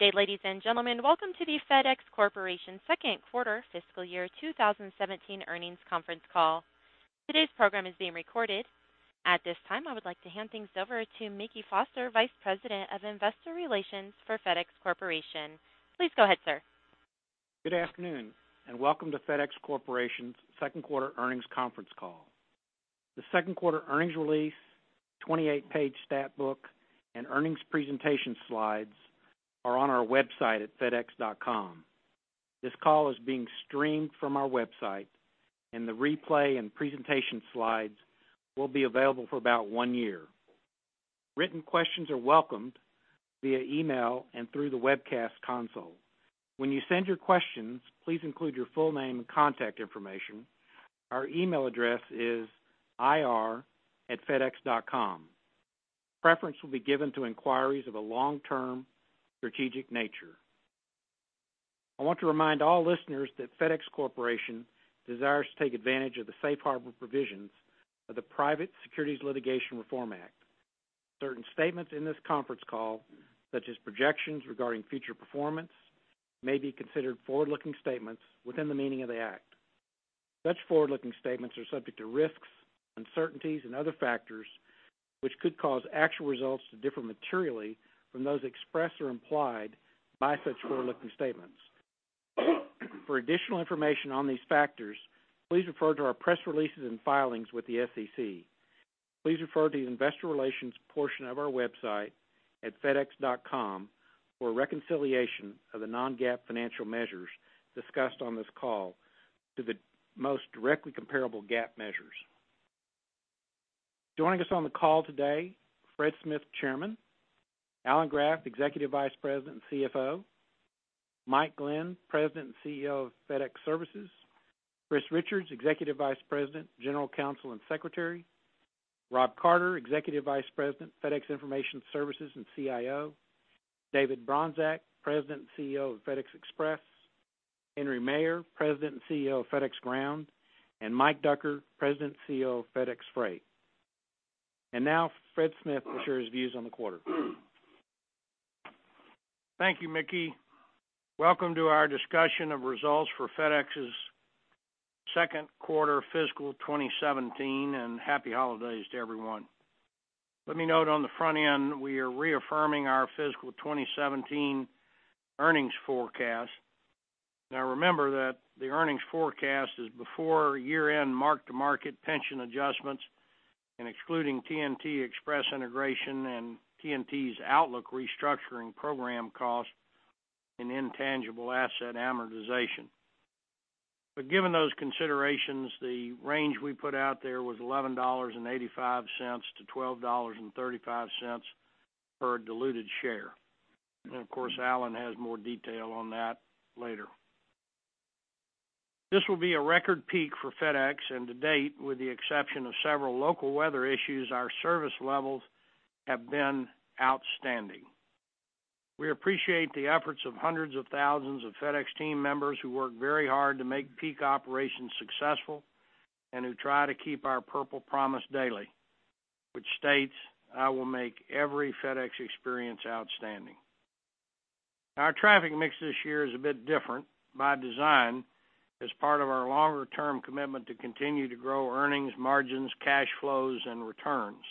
Good day, ladies and gentlemen. Welcome to the FedEx Corporation second quarter fiscal year 2017 earnings conference call. Today's program is being recorded. At this time, I would like to hand things over to Mickey Foster, Vice President of Investor Relations for FedEx Corporation. Please go ahead, sir. Good afternoon, and welcome to FedEx Corporation's second quarter earnings conference call. The second quarter earnings release, 28-page stat book, and earnings presentation slides are on our website at fedex.com. This call is being streamed from our website, and the replay and presentation slides will be available for about one year. Written questions are welcomed via email and through the webcast console. When you send your questions, please include your full name and contact information. Our email address is ir@fedex.com. Preference will be given to inquiries of a long-term strategic nature. I want to remind all listeners that FedEx Corporation desires to take advantage of the safe harbor provisions of the Private Securities Litigation Reform Act. Certain statements in this conference call, such as projections regarding future performance, may be considered forward-looking statements within the meaning of the act. Such forward-looking statements are subject to risks, uncertainties, and other factors which could cause actual results to differ materially from those Expressed or implied by such forward-looking statements. For additional information on these factors, please refer to our press releases and filings with the SEC. Please refer to the investor relations portion of our website at fedex.com for reconciliation of the non-GAAP financial measures discussed on this call to the most directly comparable GAAP measures. Joining us on the call today, Fred Smith, Chairman, Alan Graf, Executive Vice President and CFO, Mike Glenn, President and CEO of FedEx Services, Christine Richards, Executive Vice President, General Counsel and Secretary, Rob Carter, Executive Vice President, FedEx Information Services and CIO, David Bronczek, President and CEO of FedEx Express, Henry Maier, President and CEO of FedEx Ground, and Mike Ducker, President and CEO of FedEx Freight. Now, Fred Smith will share his views on the quarter. Thank you, Mickey. Welcome to our discussion of results for FedEx's second quarter fiscal 2017, and happy holidays to everyone. Let me note on the front end, we are reaffirming our fiscal 2017 earnings forecast. Now, remember that the earnings forecast is before year-end Mark-to-Market pension adjustments and excluding TNT Express Integration and TNT's Outlook restructuring program costs and intangible asset amortization. But given those considerations, the range we put out there was $11.85-$12.35 per diluted share. And of course, Alan has more detail on that later. This will be a record peak for FedEx, and to date, with the exception of several local weather issues, our service levels have been outstanding. We appreciate the efforts of hundreds of thousands of FedEx team members who work very hard to make peak operations successful and who try to keep our purple promise daily, which states, "I will make every FedEx experience outstanding." Our traffic mix this year is a bit different by design as part of our longer-term commitment to continue to grow earnings, margins, cash flows, and returns.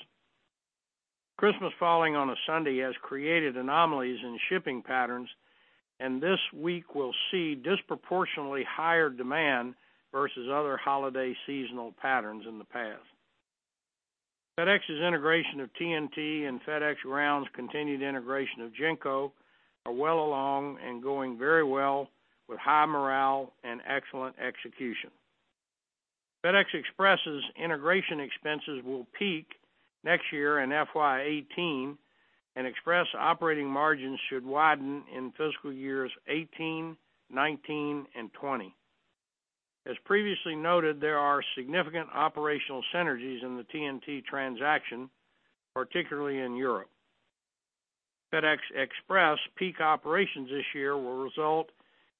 Christmas falling on a Sunday has created anomalies in shipping patterns, and this week we'll see disproportionately higher demand versus other holiday seasonal patterns in the past. FedEx's integration of TNT and FedEx Ground's continued integration of GENCO are well along and going very well with high morale and excellent execution. FedEx Express's integration expenses will peak next year in FY 2018, and Express operating margins should widen in fiscal years 2018, 2019, and 2020. As previously noted, there are significant operational synergies in the TNT transaction, particularly in Europe. FedEx Express peak operations this year will result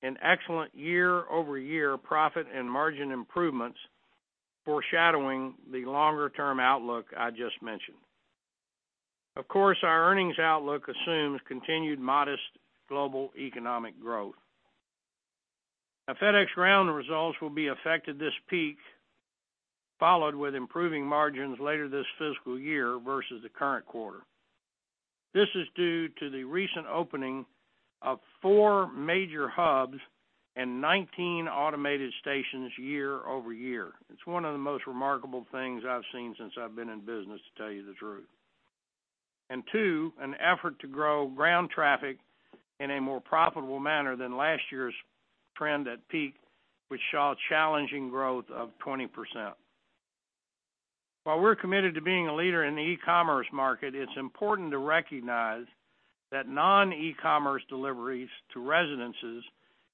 in excellent year-over-year profit and margin improvements foreshadowing the longer-term outlook I just mentioned. Of course, our earnings outlook assumes continued modest global economic growth. Now, FedEx Ground results will be affected this peak, followed with improving margins later this fiscal year versus the current quarter. This is due to the recent opening of 4 major hubs and 19 automated stations year over year. It's one of the most remarkable things I've seen since I've been in business, to tell you the truth. And two, an effort to grow Ground traffic in a more profitable manner than last year's trend at peak, which saw challenging growth of 20%. While we're committed to being a leader in the e-commerce market, it's important to recognize that non-e-commerce deliveries to residences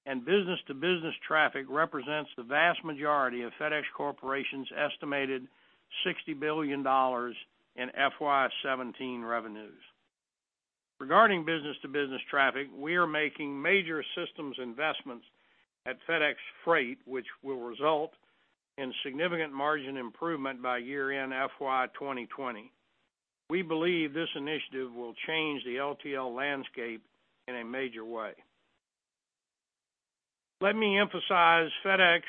and business-to-business traffic represent the vast majority of FedEx Corporation's estimated $60 billion in FY17 revenues. Regarding business-to-business traffic, we are making major systems investments at FedEx Freight, which will result in significant margin improvement by year-end FY2020. We believe this initiative will change the LTL landscape in a major way. Let me emphasize FedEx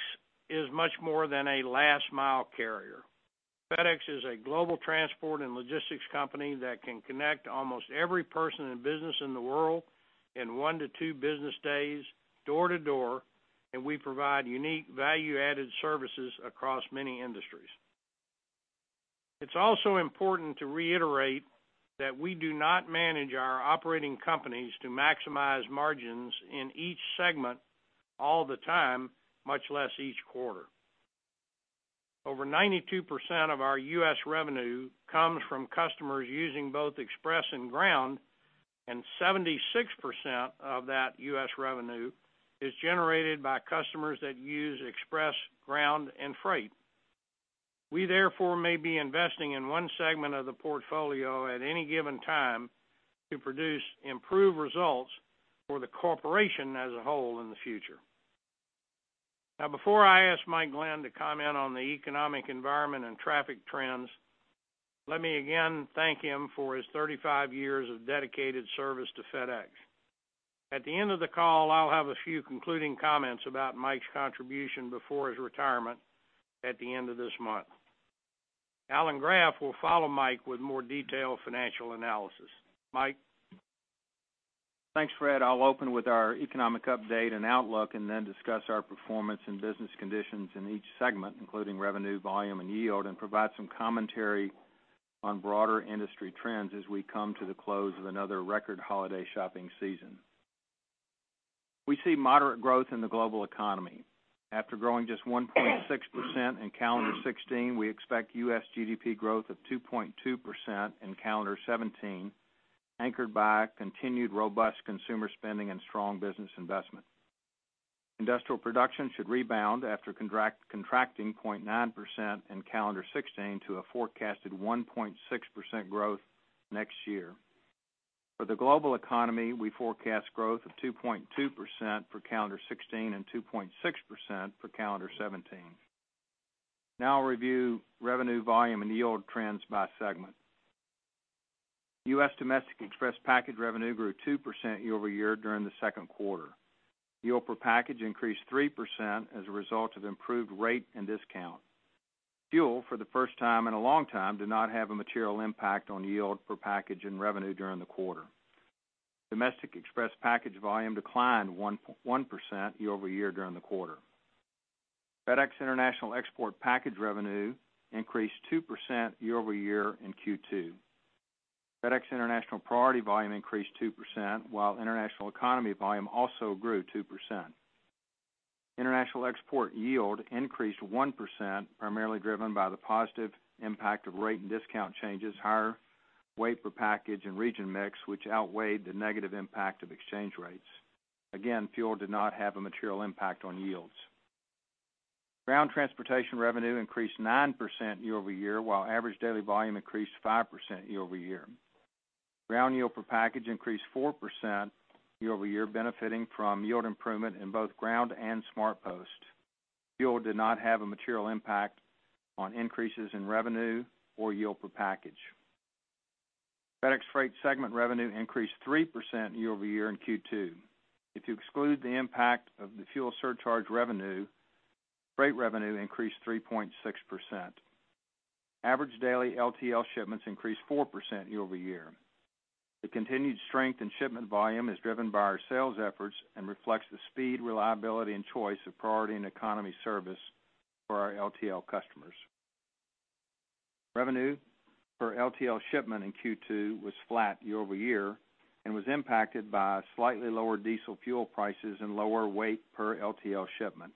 is much more than a last-mile carrier. FedEx is a global transport and logistics company that can connect almost every person and business in the world in one to two business days door to door, and we provide unique value-added services across many industries. It's also important to reiterate that we do not manage our operating companies to maximize margins in each segment all the time, much less each quarter. Over 92% of our U.S. Revenue comes from customers using both Express and Ground, and 76% of that U.S. revenue is generated by customers that use Express, Ground, and Freight. We therefore may be investing in one segment of the portfolio at any given time to produce improved results for the corporation as a whole in the future. Now, before I ask Mike Glenn to comment on the economic environment and traffic trends, let me again thank him for his 35 years of dedicated service to FedEx. At the end of the call, I'll have a few concluding comments about Mike's contribution before his retirement at the end of this month. Alan Graf will follow Mike with more detailed financial analysis. Mike. Thanks, Fred. I'll open with our economic update and outlook and then discuss our performance and business conditions in each segment, including revenue, volume, and yield, and provide some commentary on broader industry trends as we come to the close of another record holiday shopping season. We see moderate growth in the global economy. After growing just 1.6% in calendar 2016, we expect U.S. GDP growth of 2.2% in calendar 2017, anchored by continued robust consumer spending and strong business investment. Industrial production should rebound after contracting 0.9% in calendar 2016 to a forecasted 1.6% growth next year. For the global economy, we forecast growth of 2.2% for calendar 2016 and 2.6% for calendar 2017. Now, I'll review revenue, volume, and yield trends by segment. U.S. domestic Express package revenue grew 2% year-over-year during the second quarter. Yield per package increased 3% as a result of improved rate and discount. Fuel, for the first time in a long time, did not have a material impact on yield per package and revenue during the quarter. Domestic Express package volume declined 1% year-over-year during the quarter. FedEx International export package revenue increased 2% year-over-year in Q2. FedEx International Priority volume increased 2%, while International Economy volume also grew 2%. International export yield increased 1%, primarily driven by the positive impact of rate and discount changes, higher weight per package and region mix, which outweighed the negative impact of exchange rates. Again, fuel did not have a material impact on yields. Ground transportation revenue increased 9% year-over-year, while average daily volume increased 5% year-over-year. Ground yield per package increased 4% year-over-year, benefiting from yield improvement in both Ground and SmartPost. Fuel did not have a material impact on increases in revenue or yield per package. FedEx Freight segment revenue increased 3% year-over-year in Q2. If you exclude the impact of the fuel surcharge revenue, Freight revenue increased 3.6%. Average daily LTL shipments increased 4% year-over-year. The continued strength in shipment volume is driven by our sales efforts and reflects the speed, reliability, and choice of Priority and Economy service for our LTL customers. Revenue per LTL shipment in Q2 was flat year-over-year and was impacted by slightly lower diesel fuel prices and lower weight per LTL shipment.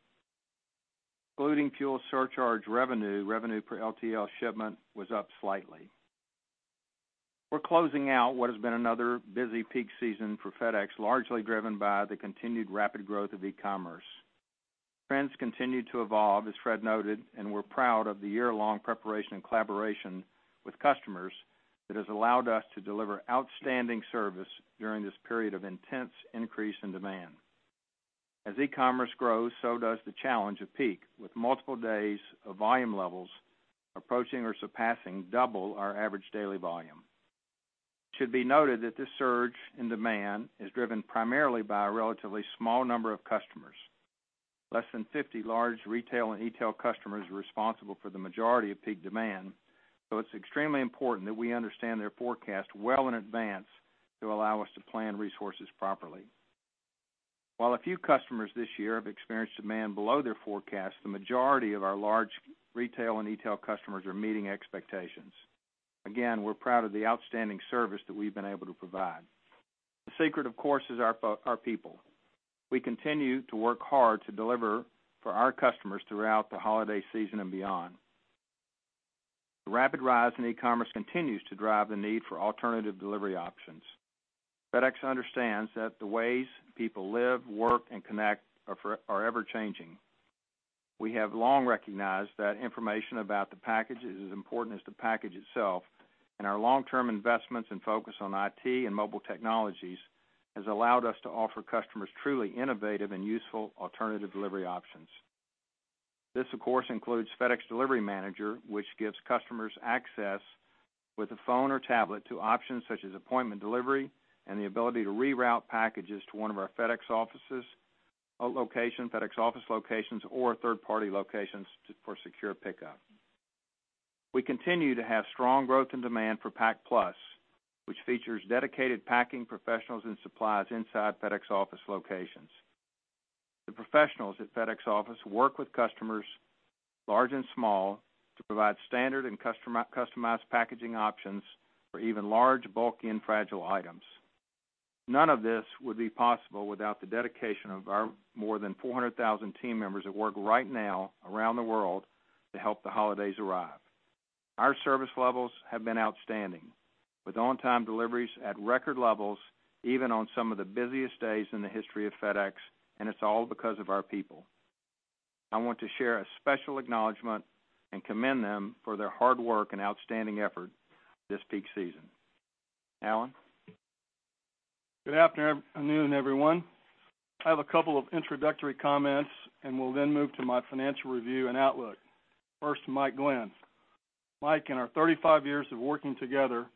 Including fuel surcharge revenue, revenue per LTL shipment was up slightly. We're closing out what has been another busy peak season for FedEx, largely driven by the continued rapid growth of e-commerce. Trends continue to evolve, as Fred noted, and we're proud of the year-long preparation and collaboration with customers that has allowed us to deliver outstanding service during this period of intense increase in demand. As e-commerce grows, so does the challenge of peak, with multiple days of volume levels approaching or surpassing double our average daily volume. It should be noted that this surge in demand is driven primarily by a relatively small number of customers. Less than 50 large retail and e-tail customers are responsible for the majority of peak demand, so it's extremely important that we understand their forecast well in advance to allow us to plan resources properly. While a few customers this year have experienced demand below their forecast, the majority of our large retail and e-tail customers are meeting expectations. Again, we're proud of the outstanding service that we've been able to provide. The secret, of course, is our people. We continue to work hard to deliver for our customers throughout the holiday season and beyond. The rapid rise in e-commerce continues to drive the need for alternative delivery options. FedEx understands that the ways people live, work, and connect are ever-changing. We have long recognized that information about the package is as important as the package itself, and our long-term investments and focus on IT and mobile technologies has allowed us to offer customers truly innovative and useful alternative delivery options. This, of course, includes FedEx Delivery Manager, which gives customers access with a phone or tablet to options such as appointment delivery and the ability to reroute packages to one of our FedEx Office locations or third-party locations for secure pickup. We continue to have strong growth in demand for Pack Plus, which features dedicated packing professionals and supplies inside FedEx Office locations. The professionals at FedEx Office work with customers, large and small, to provide standard and customized packaging options for even large, bulky, and fragile items. None of this would be possible without the dedication of our more than 400,000 team members that work right now around the world to help the holidays arrive. Our service levels have been outstanding, with on-time deliveries at record levels even on some of the busiest days in the history of FedEx, and it's all because of our people. I want to share a special acknowledgment and commend them for their hard work and outstanding effort this peak season. Alan? Good afternoon, everyone. I have a couple of introductory comments, and we'll then move to my financial review and outlook. First, Mike Glenn. Mike, in our 35 years of working together,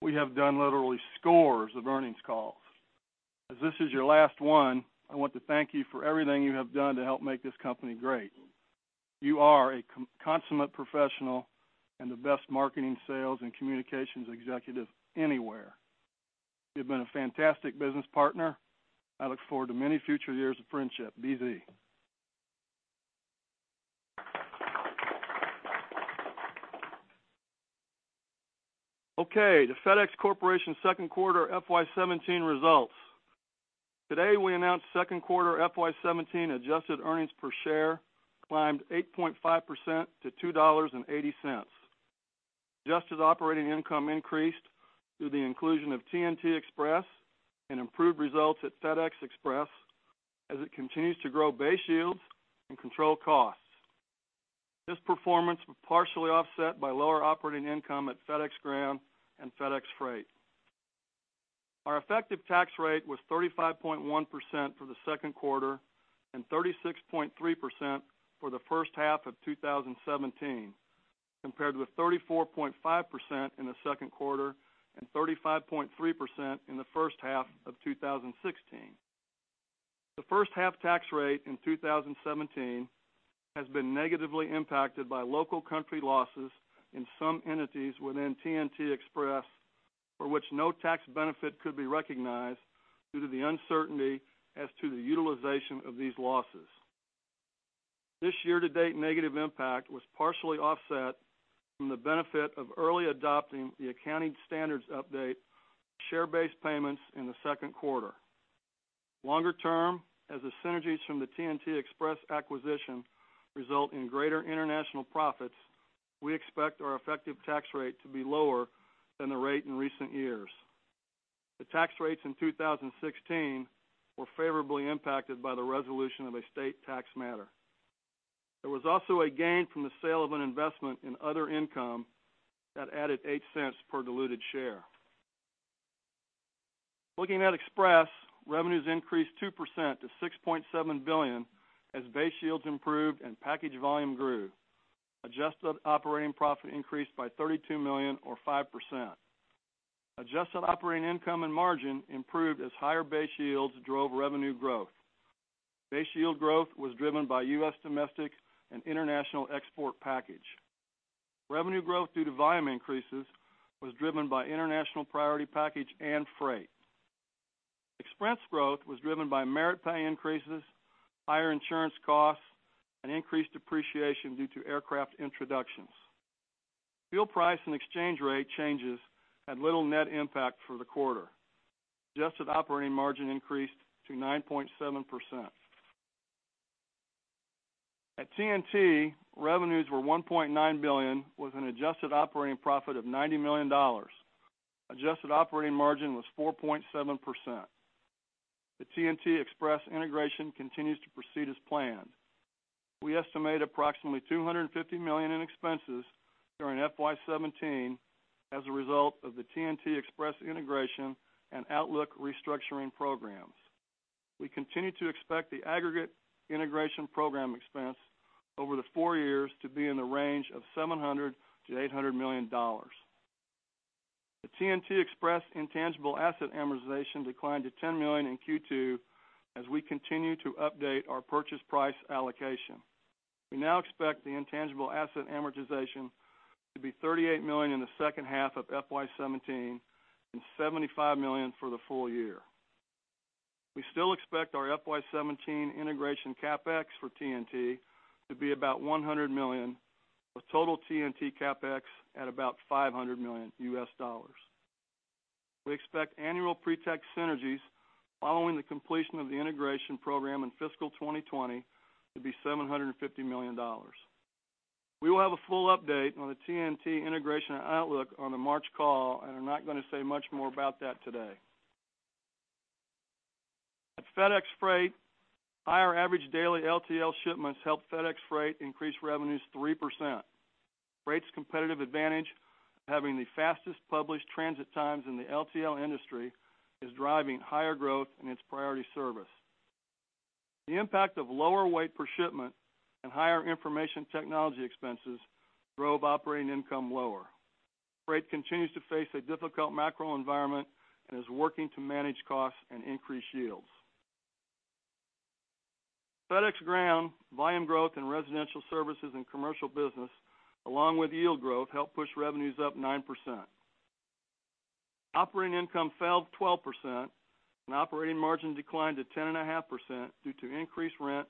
we have done literally scores of earnings calls. As this is your last one, I want to thank you for everything you have done to help make this company great. You are a consummate professional and the best marketing, sales, and communications executive anywhere. You've been a fantastic business partner. I look forward to many future years of friendship. BZ. Okay, the FedEx Corporation second quarter FY17 results. Today, we announced second quarter FY17 adjusted earnings per share climbed 8.5% to $2.80. Adjusted operating income increased through the inclusion of TNT Express and improved results at FedEx Express as it continues to grow base yields and control costs. This performance was partially offset by lower operating income at FedEx Ground and FedEx Freight. Our effective tax rate was 35.1% for the second quarter and 36.3% for the first half of 2017, compared with 34.5% in the second quarter and 35.3% in the first half of 2016. The first half tax rate in 2017 has been negatively impacted by local country losses in some entities within TNT Express, for which no tax benefit could be recognized due to the uncertainty as to the utilization of these losses. This year-to-date negative impact was partially offset from the benefit of early adopting the accounting standards update for share-based payments in the second quarter. Longer term, as the synergies from the TNT Express acquisition result in greater international profits, we expect our effective tax rate to be lower than the rate in recent years. The tax rates in 2016 were favorably impacted by the resolution of a state tax matter. There was also a gain from the sale of an investment in other income that added $0.08 per diluted share. Looking at Express, revenues increased 2% to $6.7 billion as base yields improved and package volume grew. Adjusted operating profit increased by $32 million, or 5%. Adjusted operating income and margin improved as higher base yields drove revenue growth. Base yield growth was driven by U.S. domestic and international export package. Revenue growth due to volume increases was driven by International Priority package and Freight. Express growth was driven by merit pay increases, higher insurance costs, and increased depreciation due to aircraft introductions. Fuel price and exchange rate changes had little net impact for the quarter. Adjusted operating margin increased to 9.7%. At TNT, revenues were $1.9 billion with an adjusted operating profit of $90 million. Adjusted operating margin was 4.7%. The TNT Express integration continues to proceed as planned. We estimate approximately $250 million in expenses during FY17 as a result of the TNT Express integration and outlook restructuring programs. We continue to expect the aggregate integration program expense over the four years to be in the range of $700 million-$800 million. The TNT Express intangible asset amortization declined to $10 million in Q2 as we continue to update our purchase price allocation. We now expect the intangible asset amortization to be $38 million in the second half of FY17 and $75 million for the full year. We still expect our FY17 integration CapEx for TNT to be about $100 million, with total TNT CapEx at about $500 million. We expect annual pre-tax synergies following the completion of the integration program in fiscal 2020 to be $750 million. We will have a full update on the TNT integration and outlook on the March call and are not going to say much more about that today. At FedEx Freight, higher average daily LTL shipments help FedEx Freight increase revenues 3%. Freight's competitive advantage of having the fastest published transit times in the LTL industry is driving higher growth in its Priority service. The impact of lower weight per shipment and higher information technology expenses drove operating income lower. Freight continues to face a difficult macro environment and is working to manage costs and increase yields. FedEx Ground, volume growth in residential services and commercial business, along with yield growth, helped push revenues up 9%. Operating income fell 12%, and operating margin declined to 10.5% due to increased rent,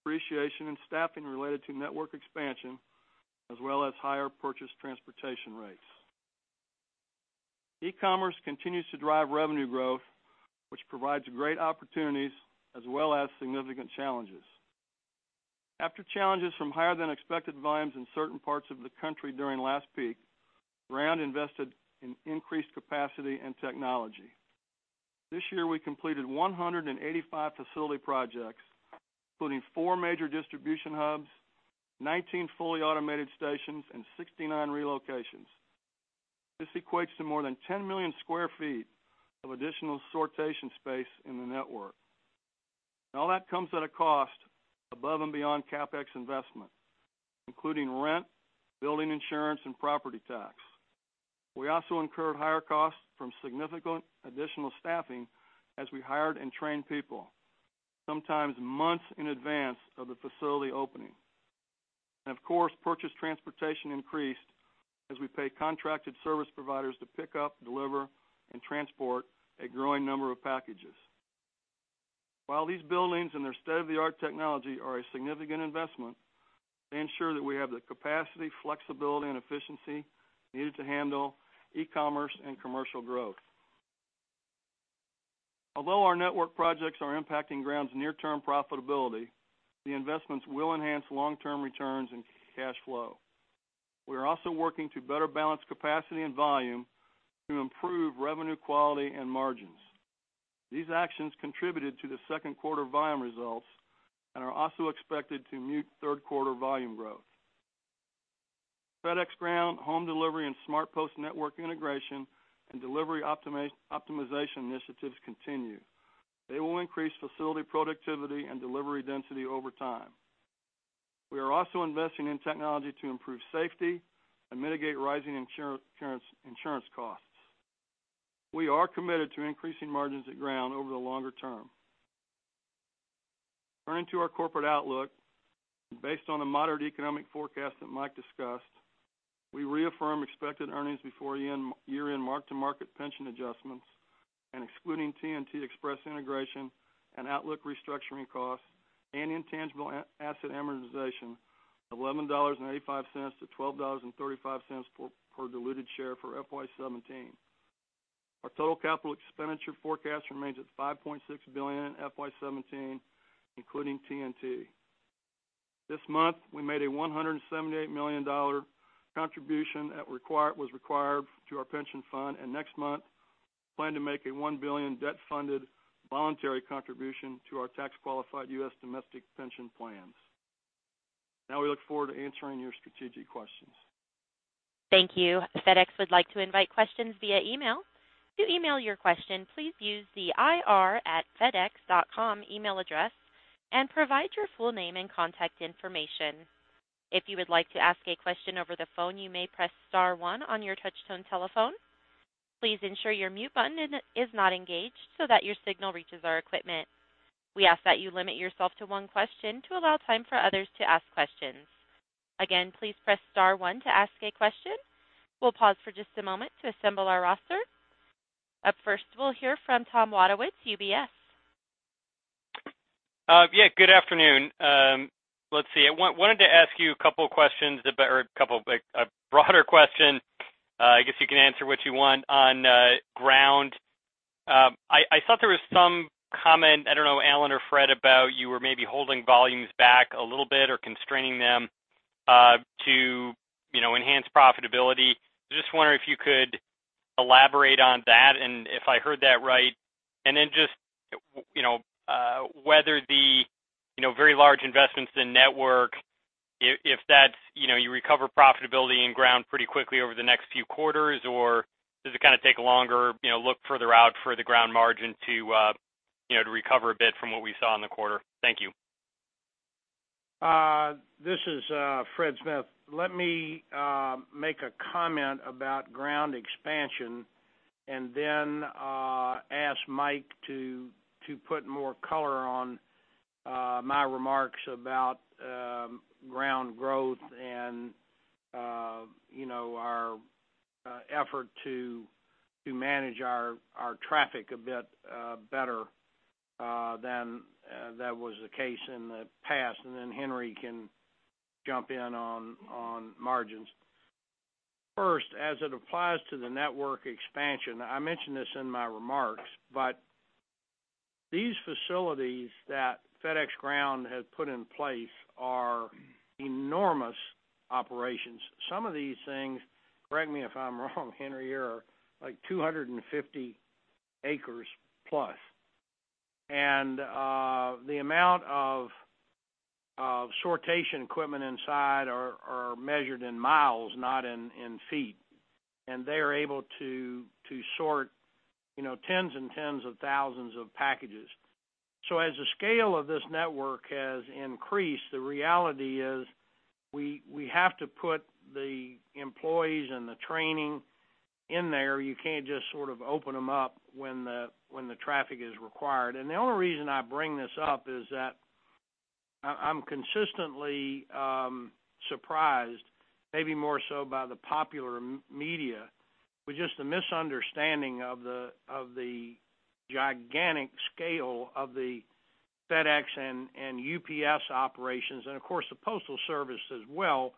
depreciation, and staffing related to network expansion, as well as higher purchase transportation rates. E-commerce continues to drive revenue growth, which provides great opportunities as well as significant challenges. After challenges from higher-than-expected volumes in certain parts of the country during last peak, Ground invested in increased capacity and technology. This year, we completed 185 facility projects, including 4 major distribution hubs, 19 fully automated stations, and 69 relocations. This equates to more than 10 million sq ft of additional sortation space in the network. All that comes at a cost above and beyond CapEx investment, including rent, building insurance, and property tax. We also incurred higher costs from significant additional staffing as we hired and trained people, sometimes months in advance of the facility opening. Of course, purchase transportation increased as we paid contracted service providers to pick up, deliver, and transport a growing number of packages. While these buildings and their state-of-the-art technology are a significant investment, they ensure that we have the capacity, flexibility, and efficiency needed to handle e-commerce and commercial growth. Although our network projects are impacting Ground's near-term profitability, the investments will enhance long-term returns and cash flow. We are also working to better balance capacity and volume to improve revenue quality and margins. These actions contributed to the second quarter volume results and are also expected to mute third quarter volume growth. FedEx Ground, Home Delivery, and SmartPost network integration and delivery optimization initiatives continue. They will increase facility productivity and delivery density over time. We are also investing in technology to improve safety and mitigate rising insurance costs. We are committed to increasing margins at Ground over the longer term. Turning to our corporate outlook, based on the moderate economic forecast that Mike discussed, we reaffirm expected earnings before year-end mark-to-market pension adjustments, and excluding TNT Express integration and outlook restructuring costs and intangible asset amortization, $11.85-$12.35 per diluted share for FY17. Our total capital expenditure forecast remains at $5.6 billion in FY17, including TNT. This month, we made a $178 million contribution that was required to our pension fund, and next month, we plan to make a $1 billion debt-funded voluntary contribution to our tax-qualified U.S. domestic pension plans. Now, we look forward to answering your strategic questions. Thank you. FedEx would like to invite questions via email. To email your question, please use the ir@fedex.com email address and provide your full name and contact information. If you would like to ask a question over the phone, you may press star one on your touch-tone telephone. Please ensure your mute button is not engaged so that your signal reaches our equipment. We ask that you limit yourself to one question to allow time for others to ask questions. Again, please press star one to ask a question. We'll pause for just a moment to assemble our roster. Up first, we'll hear from Tom Wadewitz, UBS. Yeah, good afternoon. Let's see. I wanted to ask you a couple of questions or a couple of broader questions. I guess you can answer what you want on Ground. I thought there was some comment, I don't know, Alan or Fred, about you were maybe holding volumes back a little bit or constraining them to enhance profitability. Just wondering if you could elaborate on that and if I heard that right, and then just whether the very large investments in network, if you recover profitability in Ground pretty quickly over the next few quarters, or does it kind of take longer? Look further out for the Ground margin to recover a bit from what we saw in the quarter? Thank you. This is Fred Smith. Let me make a comment about Ground expansion and then ask Mike to put more color on my remarks about Ground growth and our effort to manage our traffic a bit better than that was the case in the past. And then Henry can jump in on margins. First, as it applies to the network expansion, I mentioned this in my remarks, but these facilities that FedEx Ground has put in place are enormous operations. Some of these things, correct me if I'm wrong, Henry, are like 250 acres plus. And the amount of sortation equipment inside are measured in miles, not in feet. And they are able to sort tens and tens of thousands of packages. So as the scale of this network has increased, the reality is we have to put the employees and the training in there. You can't just sort of open them up when the traffic is required. The only reason I bring this up is that I'm consistently surprised, maybe more so by the popular media, with just the misunderstanding of the gigantic scale of the FedEx and UPS operations, and of course, the postal service as well.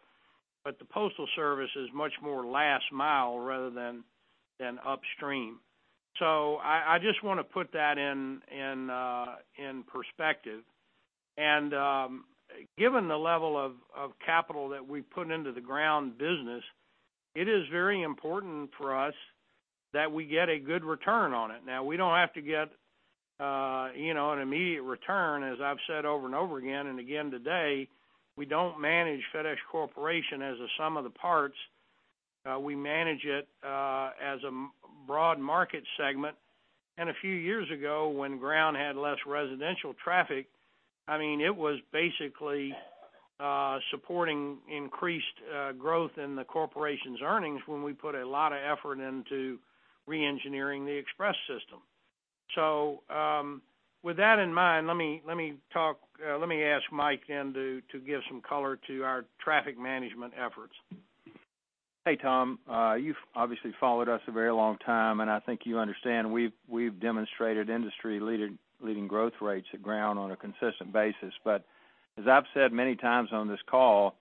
The postal service is much more last mile rather than upstream. I just want to put that in perspective. Given the level of capital that we've put into the Ground business, it is very important for us that we get a good return on it. Now, we don't have to get an immediate return, as I've said over and over again and again today. We don't manage FedEx Corporation as a sum of the parts. We manage it as a broad market segment. A few years ago, when Ground had less residential traffic, I mean, it was basically supporting increased growth in the corporation's earnings when we put a lot of effort into re-engineering the Express system. So with that in mind, let me talk, let me ask Mike then to give some color to our traffic management efforts. Hey, Tom. You've obviously followed us a very long time, and I think you understand we've demonstrated industry-leading growth rates at Ground on a consistent basis. But as I've said many times on this call,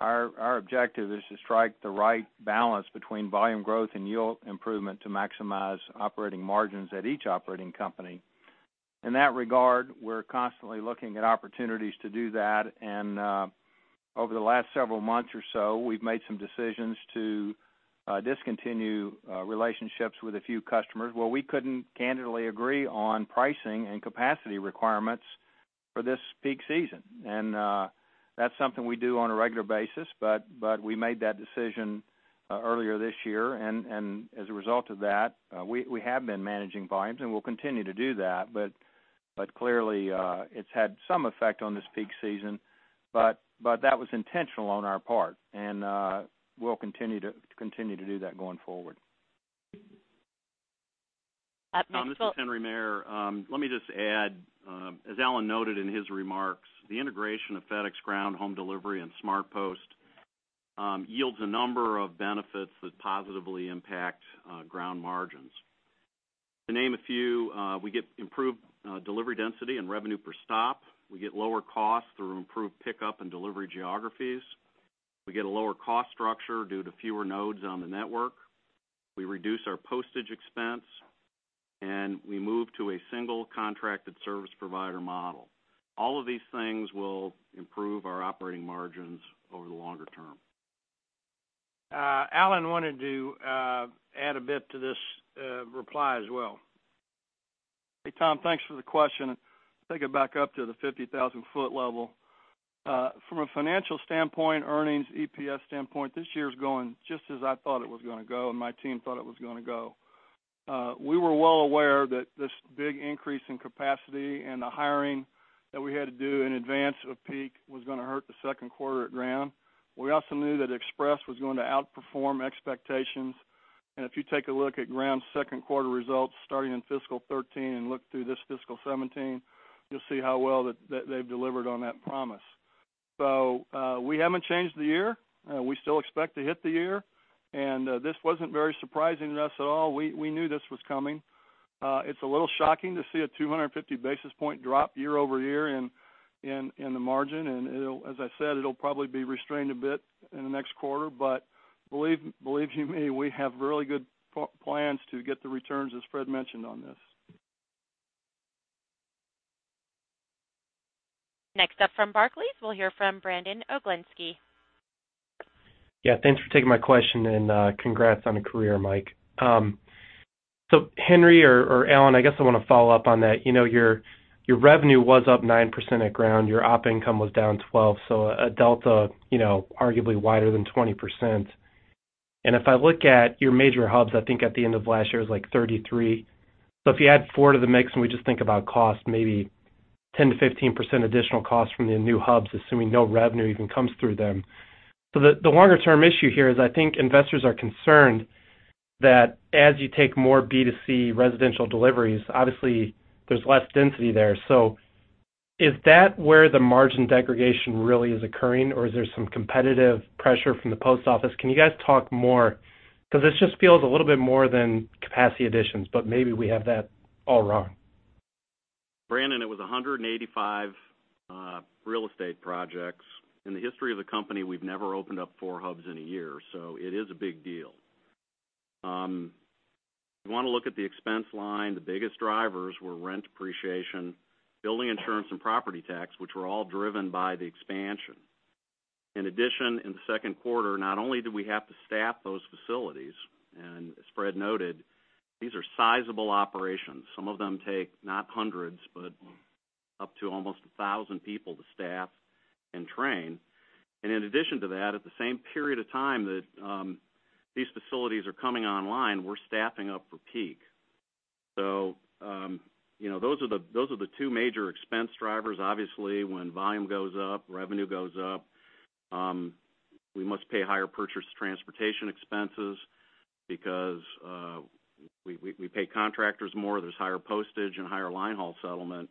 our objective is to strike the right balance between volume growth and yield improvement to maximize operating margins at each operating company. In that regard, we're constantly looking at opportunities to do that. And over the last several months or so, we've made some decisions to discontinue relationships with a few customers where we couldn't candidly agree on pricing and capacity requirements for this peak season. And that's something we do on a regular basis, but we made that decision earlier this year. And as a result of that, we have been managing volumes, and we'll continue to do that. Clearly, it's had some effect on this peak season, but that was intentional on our part. We'll continue to do that going forward. John, this is Henry Maier. Let me just add, as Alan noted in his remarks, the integration of FedEx Ground, Home Delivery, and SmartPost yields a number of benefits that positively impact Ground margins. To name a few, we get improved delivery density and revenue per stop. We get lower costs through improved pickup and delivery geographies. We get a lower cost structure due to fewer nodes on the network. We reduce our postage expense, and we move to a single contracted service provider model. All of these things will improve our operating margins over the longer term. Alan wanted to add a bit to this reply as well. Hey, Tom, thanks for the question. Taking it back up to the 50,000-foot level. From a financial standpoint, earnings, EPS standpoint, this year's going just as I thought it was going to go, and my team thought it was going to go. We were well aware that this big increase in capacity and the hiring that we had to do in advance of peak was going to hurt the second quarter at Ground. We also knew that Express was going to outperform expectations. And if you take a look at Ground's second quarter results starting in fiscal 2013 and look through this fiscal 2017, you'll see how well they've delivered on that promise. So we haven't changed the year. We still expect to hit the year. And this wasn't very surprising to us at all. We knew this was coming. It's a little shocking to see a 250 basis points drop year-over-year in the margin. And as I said, it'll probably be restrained a bit in the next quarter. But believe you me, we have really good plans to get the returns, as Fred mentioned, on this. Next up from Barclays, we'll hear from Brandon Oglensky. Yeah, thanks for taking my question and congrats on a career, Mike. So Henry or Alan, I guess I want to follow up on that. Your revenue was up 9% at Ground. Your op income was down 12%, so a delta arguably wider than 20%. And if I look at your major hubs, I think at the end of last year it was like 33. So if you add 4 to the mix and we just think about cost, maybe 10%-15% additional cost from the new hubs, assuming no revenue even comes through them. So the longer-term issue here is I think investors are concerned that as you take more B2C residential deliveries, obviously, there's less density there. So is that where the margin degradation really is occurring, or is there some competitive pressure from the post office? Can you guys talk more? Because this just feels a little bit more than capacity additions, but maybe we have that all wrong. Brandon, it was 185 real estate projects. In the history of the company, we've never opened up 4 hubs in a year. So it is a big deal. You want to look at the expense line. The biggest drivers were rent appreciation, building insurance, and property tax, which were all driven by the expansion. In addition, in the second quarter, not only did we have to staff those facilities, and as Fred noted, these are sizable operations. Some of them take not hundreds, but up to almost 1,000 people to staff and train. And in addition to that, at the same period of time that these facilities are coming online, we're staffing up for peak. So those are the 2 major expense drivers. Obviously, when volume goes up, revenue goes up. We must pay higher purchase transportation expenses because we pay contractors more. There's higher postage and higher linehaul settlement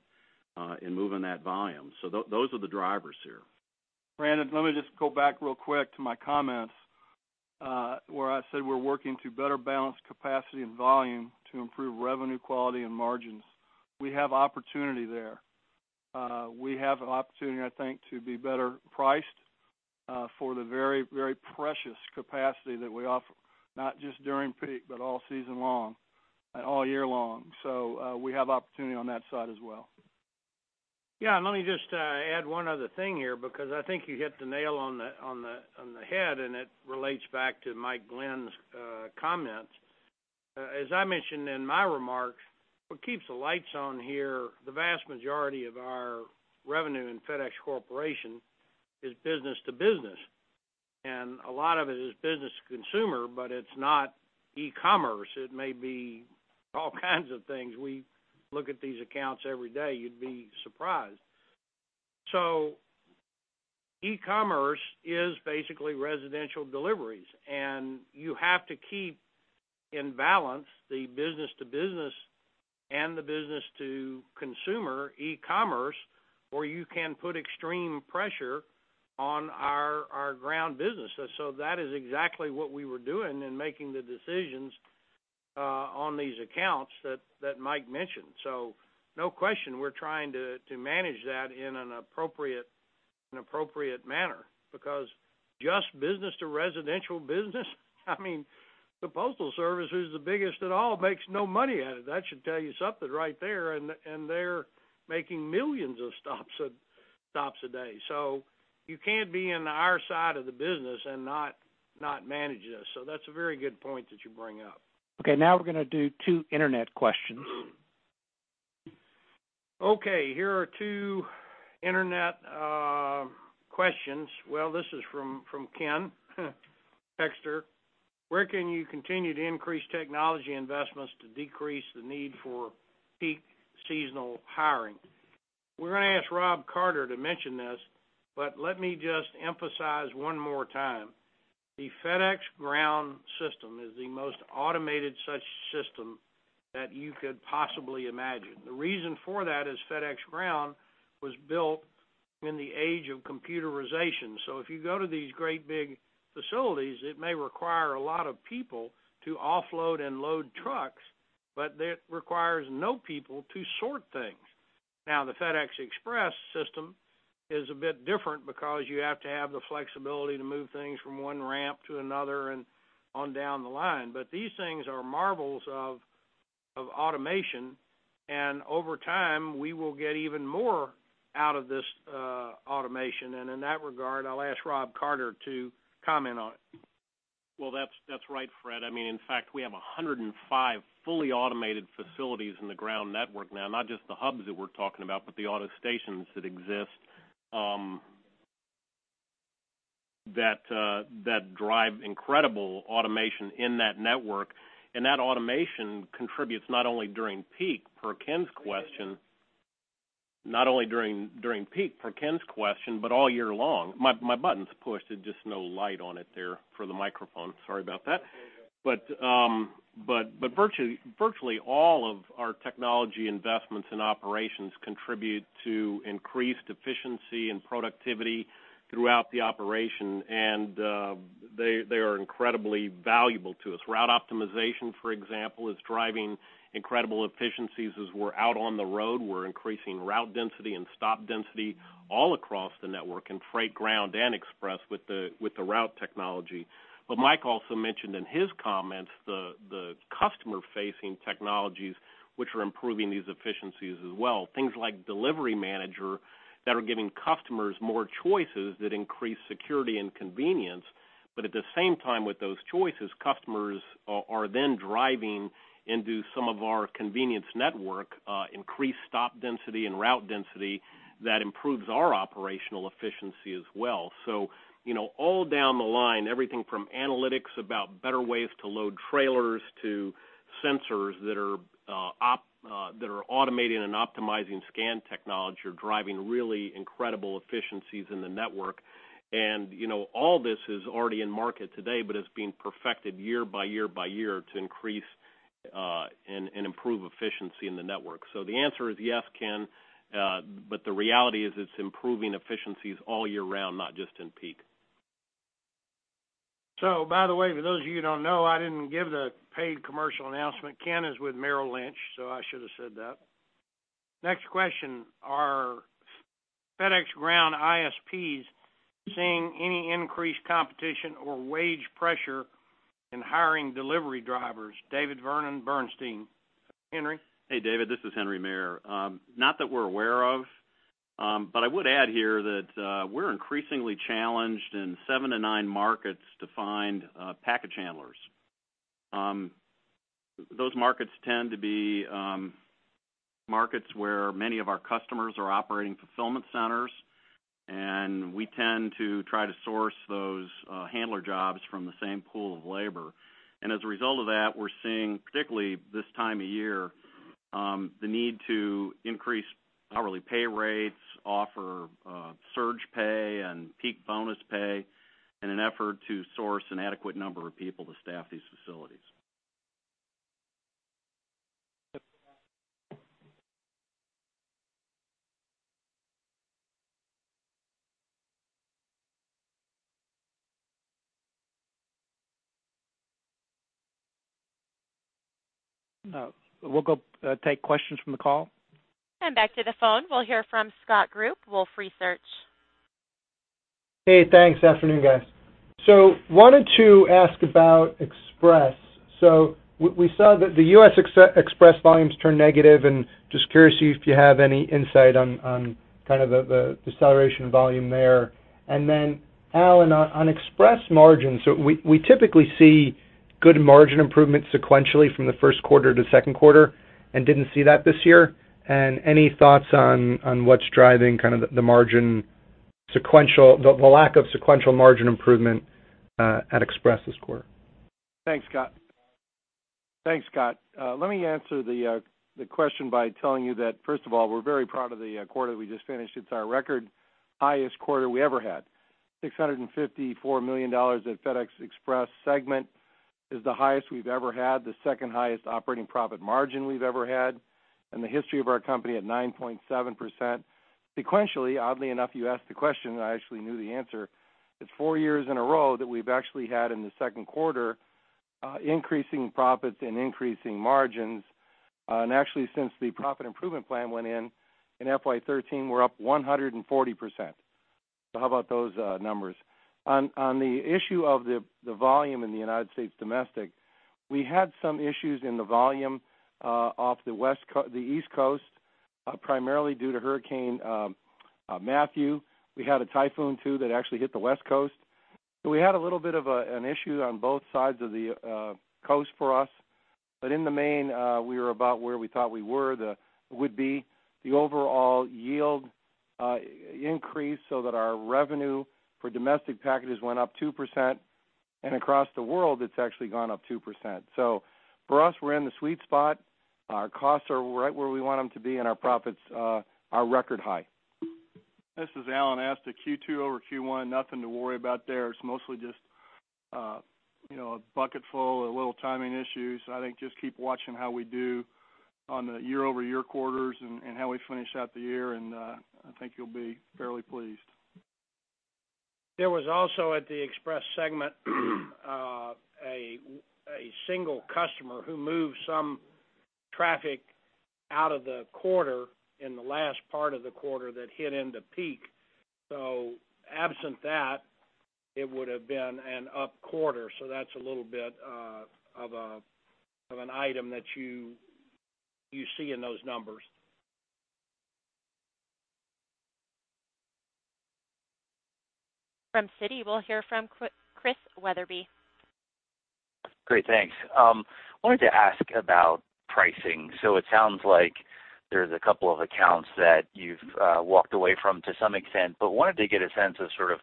in moving that volume. Those are the drivers here. Brandon, let me just go back real quick to my comments where I said we're working to better balance capacity and volume to improve revenue quality and margins. We have opportunity there. We have an opportunity, I think, to be better priced for the very, very precious capacity that we offer, not just during peak, but all season long, all year long. So we have opportunity on that side as well. Yeah, and let me just add one other thing here because I think you hit the nail on the head, and it relates back to Mike Glenn's comments. As I mentioned in my remarks, what keeps the lights on here, the vast majority of our revenue in FedEx Corporation is business to business. And a lot of it is business to consumer, but it's not e-commerce. It may be all kinds of things. We look at these accounts every day. You'd be surprised. So e-commerce is basically residential deliveries. And you have to keep in balance the business to business and the business to consumer e-commerce, or you can put extreme pressure on our Ground business. So that is exactly what we were doing in making the decisions on these accounts that Mike mentioned. So no question, we're trying to manage that in an appropriate manner because just business to residential business, I mean, the postal service, who's the biggest at all, makes no money at it. That should tell you something right there. And they're making millions of stops a day. So you can't be on our side of the business and not manage this. So that's a very good point that you bring up. Okay, now we're going to do two internet questions. Okay, here are two internet questions. Well, this is from Ken Hoexter. Where can you continue to increase technology investments to decrease the need for peak seasonal hiring? We're going to ask Rob Carter to mention this, but let me just emphasize one more time. The FedEx Ground system is the most automated such system that you could possibly imagine. The reason for that is FedEx Ground was built in the age of computerization. So if you go to these great big facilities, it may require a lot of people to offload and load trucks, but it requires no people to sort things. Now, the FedEx Express system is a bit different because you have to have the flexibility to move things from one ramp to another and on down the line. But these things are marvels of automation. Over time, we will get even more out of this automation. In that regard, I'll ask Rob Carter to comment on it. Well, that's right, Fred. I mean, in fact, we have 105 fully automated facilities in the Ground network now, not just the hubs that we're talking about, but the auto stations that exist that drive incredible automation in that network. And that automation contributes not only during peak, per Ken's question, not only during peak, per Ken's question, but all year long. My button's pushed. There's just no light on it there for the microphone. Sorry about that. But virtually all of our technology investments and operations contribute to increased efficiency and productivity throughout the operation. And they are incredibly valuable to us. Route optimization, for example, is driving incredible efficiencies as we're out on the road. We're increasing route density and stop density all across the network in Freight, Ground, and Express with the route technology. But Mike also mentioned in his comments the customer-facing technologies which are improving these efficiencies as well. Things like delivery manager that are giving customers more choices that increase security and convenience. But at the same time, with those choices, customers are then driving into some of our convenience network, increased stop density and route density that improves our operational efficiency as well. So all down the line, everything from analytics about better ways to load trailers to sensors that are automating and optimizing scan technology are driving really incredible efficiencies in the network. And all this is already in market today, but it's being perfected year by year by year to increase and improve efficiency in the network. So the answer is yes, Ken. But the reality is it's improving efficiencies all year round, not just in peak. So by the way, for those of you who don't know, I didn't give the paid commercial announcement. Ken is with Merrill Lynch, so I should have said that. Next question. Are FedEx Ground ISPs seeing any increased competition or wage pressure in hiring delivery drivers? David Vernon, Bernstein. Henry? Hey, David. This is Henry Maier. Not that we're aware of, but I would add here that we're increasingly challenged in 7-9 markets to find package handlers. Those markets tend to be markets where many of our customers are operating fulfillment centers, and we tend to try to source those handler jobs from the same pool of labor. And as a result of that, we're seeing, particularly this time of year, the need to increase hourly pay rates, offer surge pay, and peak bonus pay in an effort to source an adequate number of people to staff these facilities. We'll take questions from the call. Back to the phone. We'll hear from Scott Group with Wolfe Research. Hey, thanks. Afternoon, guys. So wanted to ask about Express. So we saw that the U.S. Express volumes turned negative, and just curious if you have any insight on kind of the acceleration volume there. And then Alan, on Express margins, we typically see good margin improvement sequentially from the first quarter to second quarter and didn't see that this year. And any thoughts on what's driving kind of the margin sequential, the lack of sequential margin improvement at Express this quarter? Thanks, Scott. Thanks, Scott. Let me answer the question by telling you that, first of all, we're very proud of the quarter that we just finished. It's our record highest quarter we ever had. $654 million at FedEx Express segment is the highest we've ever had, the second highest operating profit margin we've ever had, and the history of our company at 9.7%. Sequentially, oddly enough, you asked the question, and I actually knew the answer. It's four years in a row that we've actually had in the second quarter increasing profits and increasing margins. And actually, since the profit improvement plan went in in FY2013, we're up 140%. So how about those numbers? On the issue of the volume in the United States domestic, we had some issues in the volume off the East Coast, primarily due to Hurricane Matthew. We had a typhoon too that actually hit the West Coast. So we had a little bit of an issue on both sides of the coast for us. But in the main, we were about where we thought we would be. The overall yield increased so that our revenue for domestic packages went up 2%. And across the world, it's actually gone up 2%. So for us, we're in the sweet spot. Our costs are right where we want them to be, and our profits are record high. This is Alan. As to Q2 over Q1, nothing to worry about there. It's mostly just a bucket full, a little timing issues. I think just keep watching how we do on the year-over-year quarters and how we finish out the year. I think you'll be fairly pleased. There was also at the Express segment a single customer who moved some traffic out of the quarter in the last part of the quarter that hit into peak. So absent that, it would have been an up quarter. So that's a little bit of an item that you see in those numbers. From Citi, we'll hear from Chris Wetherbee. Great. Thanks. Wanted to ask about pricing. So it sounds like there's a couple of accounts that you've walked away from to some extent, but wanted to get a sense of sort of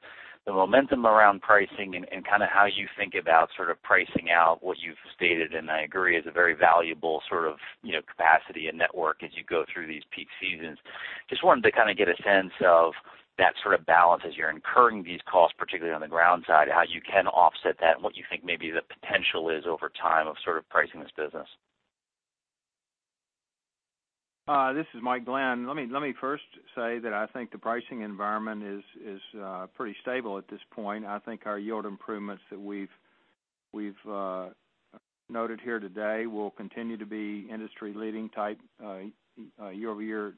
the momentum around pricing and kind of how you think about sort of pricing out what you've stated. And I agree it's a very valuable sort of capacity and network as you go through these peak seasons. Just wanted to kind of get a sense of that sort of balance as you're incurring these costs, particularly on the Ground side, how you can offset that and what you think maybe the potential is over time of sort of pricing this business. This is Mike Glenn. Let me first say that I think the pricing environment is pretty stable at this point. I think our yield improvements that we've noted here today will continue to be industry-leading type year-over-year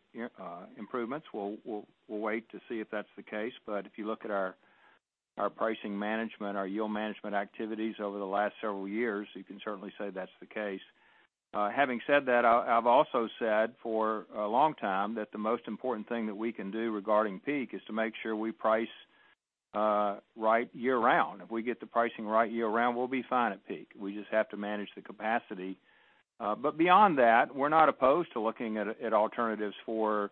improvements. We'll wait to see if that's the case. But if you look at our pricing management, our yield management activities over the last several years, you can certainly say that's the case. Having said that, I've also said for a long time that the most important thing that we can do regarding peak is to make sure we price right year-round. If we get the pricing right year-round, we'll be fine at peak. We just have to manage the capacity. But beyond that, we're not opposed to looking at alternatives for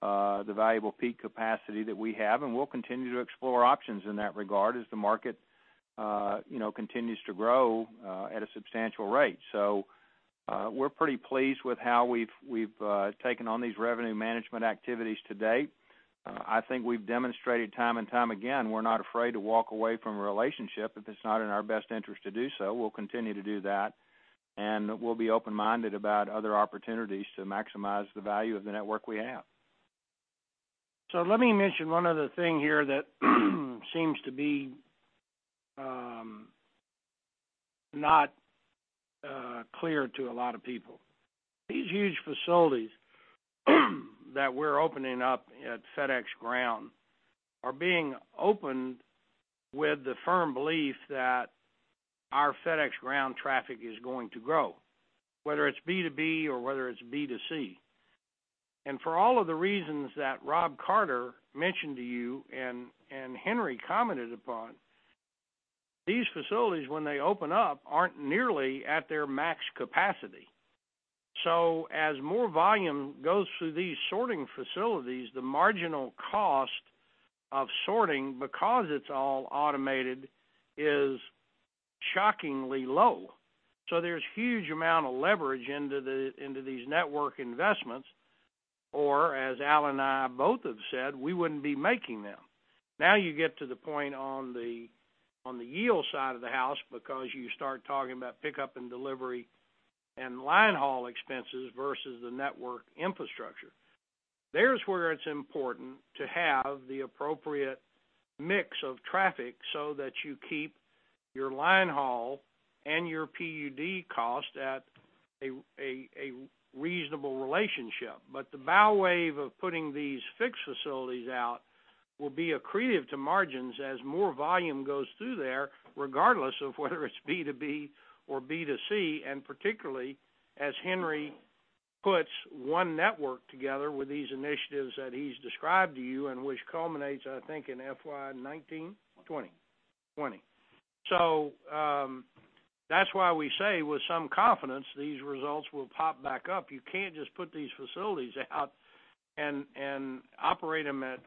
the valuable peak capacity that we have. We'll continue to explore options in that regard as the market continues to grow at a substantial rate. We're pretty pleased with how we've taken on these revenue management activities to date. I think we've demonstrated time and time again we're not afraid to walk away from a relationship if it's not in our best interest to do so. We'll continue to do that. We'll be open-minded about other opportunities to maximize the value of the network we have. Let me mention one other thing here that seems to be not clear to a lot of people. These huge facilities that we're opening up at FedEx Ground are being opened with the firm belief that our FedEx Ground traffic is going to grow, whether it's B2B or whether it's B2C. And for all of the reasons that Rob Carter mentioned to you and Henry commented upon, these facilities, when they open up, aren't nearly at their max capacity. So as more volume goes through these sorting facilities, the marginal cost of sorting, because it's all automated, is shockingly low. So there's a huge amount of leverage into these network investments. Or as Alan and I both have said, we wouldn't be making them. Now you get to the point on the yield side of the house because you start talking about pickup and delivery and linehaul expenses versus the network infrastructure. There's where it's important to have the appropriate mix of traffic so that you keep your linehaul and your PUD cost at a reasonable relationship. But the bow wave of putting these fixed facilities out will be accretive to margins as more volume goes through there, regardless of whether it's B2B or B2C, and particularly as Henry puts one network together with these initiatives that he's described to you and which culminates, I think, in FY19, 2020. So that's why we say with some confidence these results will pop back up. You can't just put these facilities out and operate them at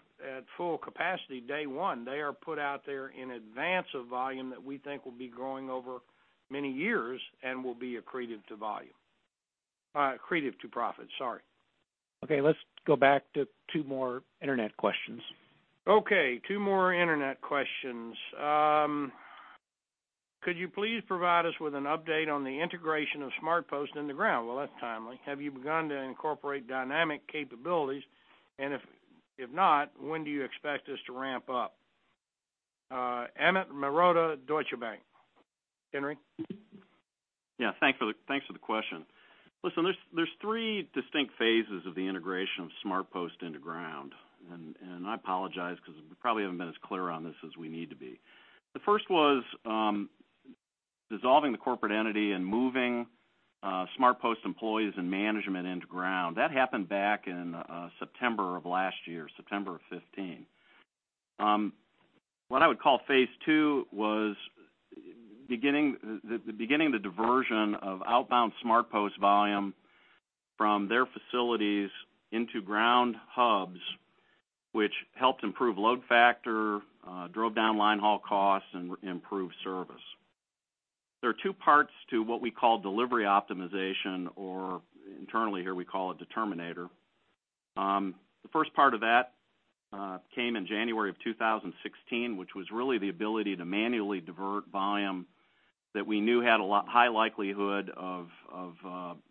full capacity day one. They are put out there in advance of volume that we think will be growing over many years and will be accretive to volume. Accretive to profits. Sorry. Okay. Let's go back to two more internet questions. Okay. Two more internet questions. Could you please provide us with an update on the integration of SmartPost and the Ground? Well, that's timely. Have you begun to incorporate dynamic capabilities? And if not, when do you expect us to ramp up? Amit Mehrotra, Deutsche Bank. Henry? Yeah. Thanks for the question. Listen, there's three distinct phases of the integration of SmartPost into Ground. I apologize because we probably haven't been as clear on this as we need to be. The first was dissolving the corporate entity and moving SmartPost employees and management into Ground. That happened back in September of last year, September of 2015. What I would call phase two was beginning the diversion of outbound SmartPost volume from their facilities into Ground hubs, which helped improve load factor, drove down linehaul costs, and improved service. There are two parts to what we call delivery optimization, or internally here we call it Determinator. The first part of that came in January of 2016, which was really the ability to manually divert volume that we knew had a high likelihood of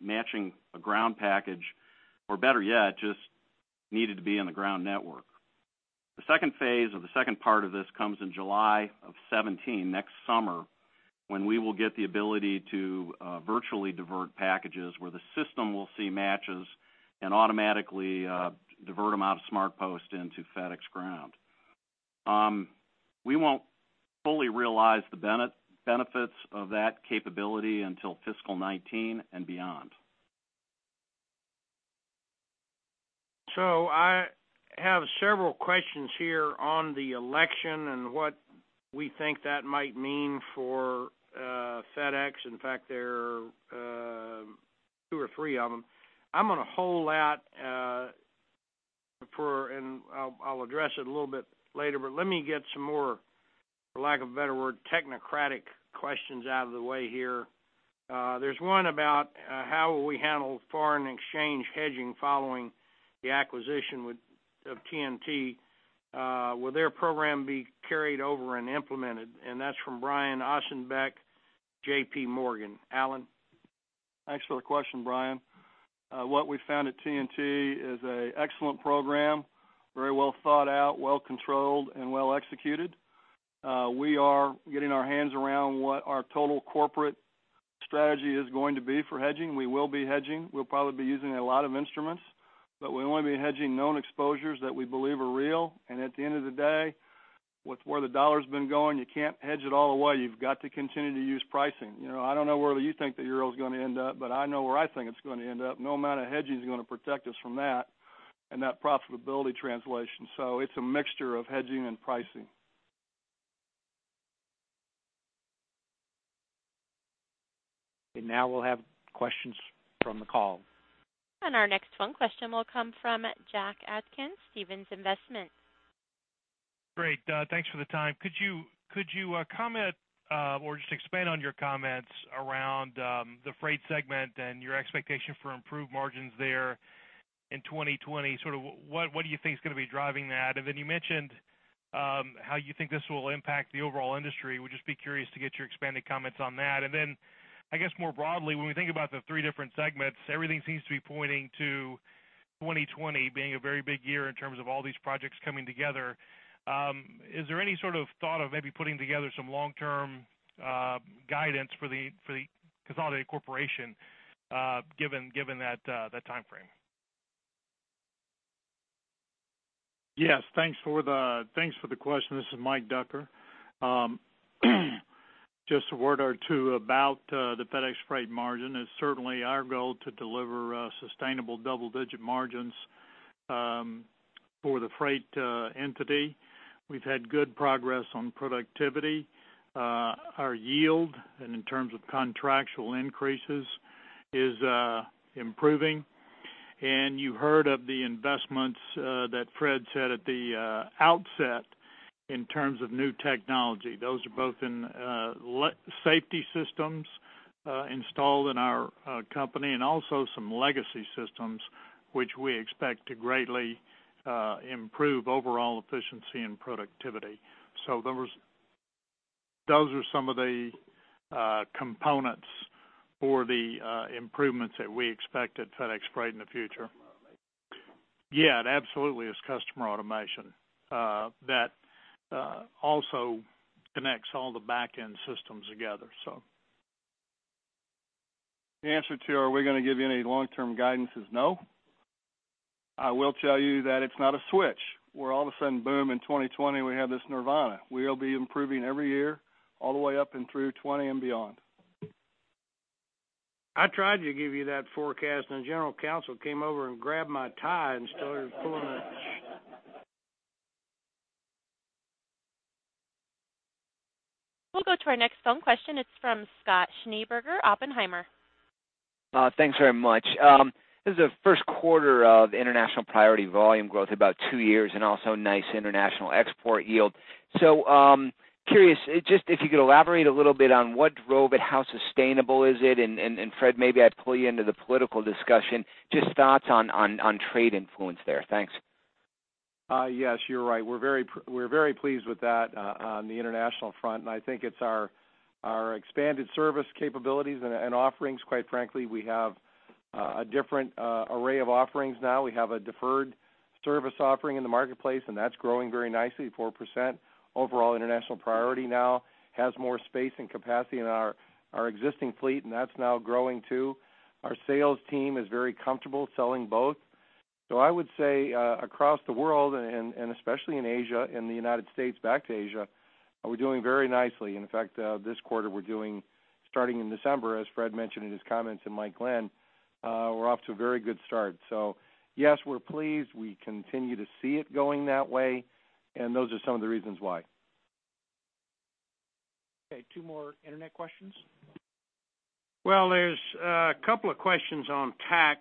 matching a Ground package, or better yet, just needed to be in the Ground network. The second phase or the second part of this comes in July of 2017, next summer, when we will get the ability to virtually divert packages where the system will see matches and automatically divert them out of SmartPost into FedEx Ground. We won't fully realize the benefits of that capability until fiscal 2019 and beyond. So I have several questions here on the election and what we think that might mean for FedEx. In fact, there are two or three of them. I'm going to hold that for, and I'll address it a little bit later, but let me get some more, for lack of a better word, technocratic questions out of the way here. There's one about how will we handle foreign exchange hedging following the acquisition of TNT? Will their program be carried over and implemented? And that's from Brian Ossenbeck, J.P. Morgan. Alan? Thanks for the question, Brian. What we found at TNT is an excellent program, very well thought out, well controlled, and well executed. We are getting our hands around what our total corporate strategy is going to be for hedging. We will be hedging. We'll probably be using a lot of instruments, but we only be hedging known exposures that we believe are real. And at the end of the day, with where the U.S. dollar's been going, you can't hedge it all away. You've got to continue to use pricing. I don't know where you think the euro's going to end up, but I know where I think it's going to end up. No amount of hedging is going to protect us from that and that profitability translation. So it's a mixture of hedging and pricing. Now we'll have questions from the call. Our next phone question will come from Jack Atkins, Stephens Inc. Great. Thanks for the time. Could you comment or just expand on your comments around the Freight segment and your expectation for improved margins there in 2020? Sort of what do you think is going to be driving that? And then you mentioned how you think this will impact the overall industry. Would just be curious to get your expanded comments on that. And then, I guess more broadly, when we think about the three different segments, everything seems to be pointing to 2020 being a very big year in terms of all these projects coming together. Is there any sort of thought of maybe putting together some long-term guidance for the consolidated corporation given that timeframe? Yes. Thanks for the question. This is Mike Ducker. Just a word or two about the FedEx Freight margin. It's certainly our goal to deliver sustainable double-digit margins for the Freight entity. We've had good progress on productivity. Our yield, and in terms of contractual increases, is improving. And you heard of the investments that Fred said at the outset in terms of new technology. Those are both in safety systems installed in our company and also some legacy systems, which we expect to greatly improve overall efficiency and productivity. So those are some of the components for the improvements that we expect at FedEx Freight in the future. Yeah, it absolutely is customer automation. That also connects all the back-end systems together, so. The answer to, "Are we going to give you any long-term guidance?" is no. I will tell you that it's not a switch. We're all of a sudden, boom, in 2020, we have this nirvana. We'll be improving every year all the way up and through 2020 and beyond. I tried to give you that forecast, and the general counsel came over and grabbed my tie instead of pulling the. We'll go to our next phone question. It's from Scott Schneeberger, Oppenheimer. Thanks very much. This is the first quarter of International Priority volume growth, about two years, and also nice international export yield. So curious, just if you could elaborate a little bit on what drove it, how sustainable is it? And Fred, maybe I pull you into the political discussion. Just thoughts on trade influence there. Thanks. Yes, you're right. We're very pleased with that on the international front. I think it's our expanded service capabilities and offerings, quite frankly. We have a different array of offerings now. We have a deferred service offering in the marketplace, and that's growing very nicely, 4%. Overall International Priority now has more space and capacity in our existing fleet, and that's now growing too. Our sales team is very comfortable selling both. So I would say across the world, and especially in Asia, in the United States, back to Asia, we're doing very nicely. In fact, this quarter, we're doing, starting in December, as Fred mentioned in his comments and Mike Glenn, we're off to a very good start. So yes, we're pleased. We continue to see it going that way. And those are some of the reasons why. Okay. Two more internet questions. Well, there's a couple of questions on tax.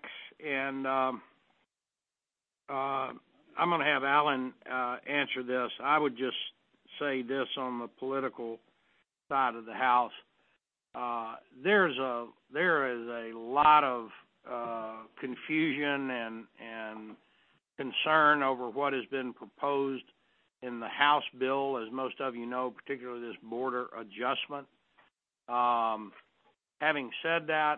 I'm going to have Alan answer this. I would just say this on the political side of the House. There is a lot of confusion and concern over what has been proposed in the House bill, as most of you know, particularly this border adjustment. Having said that,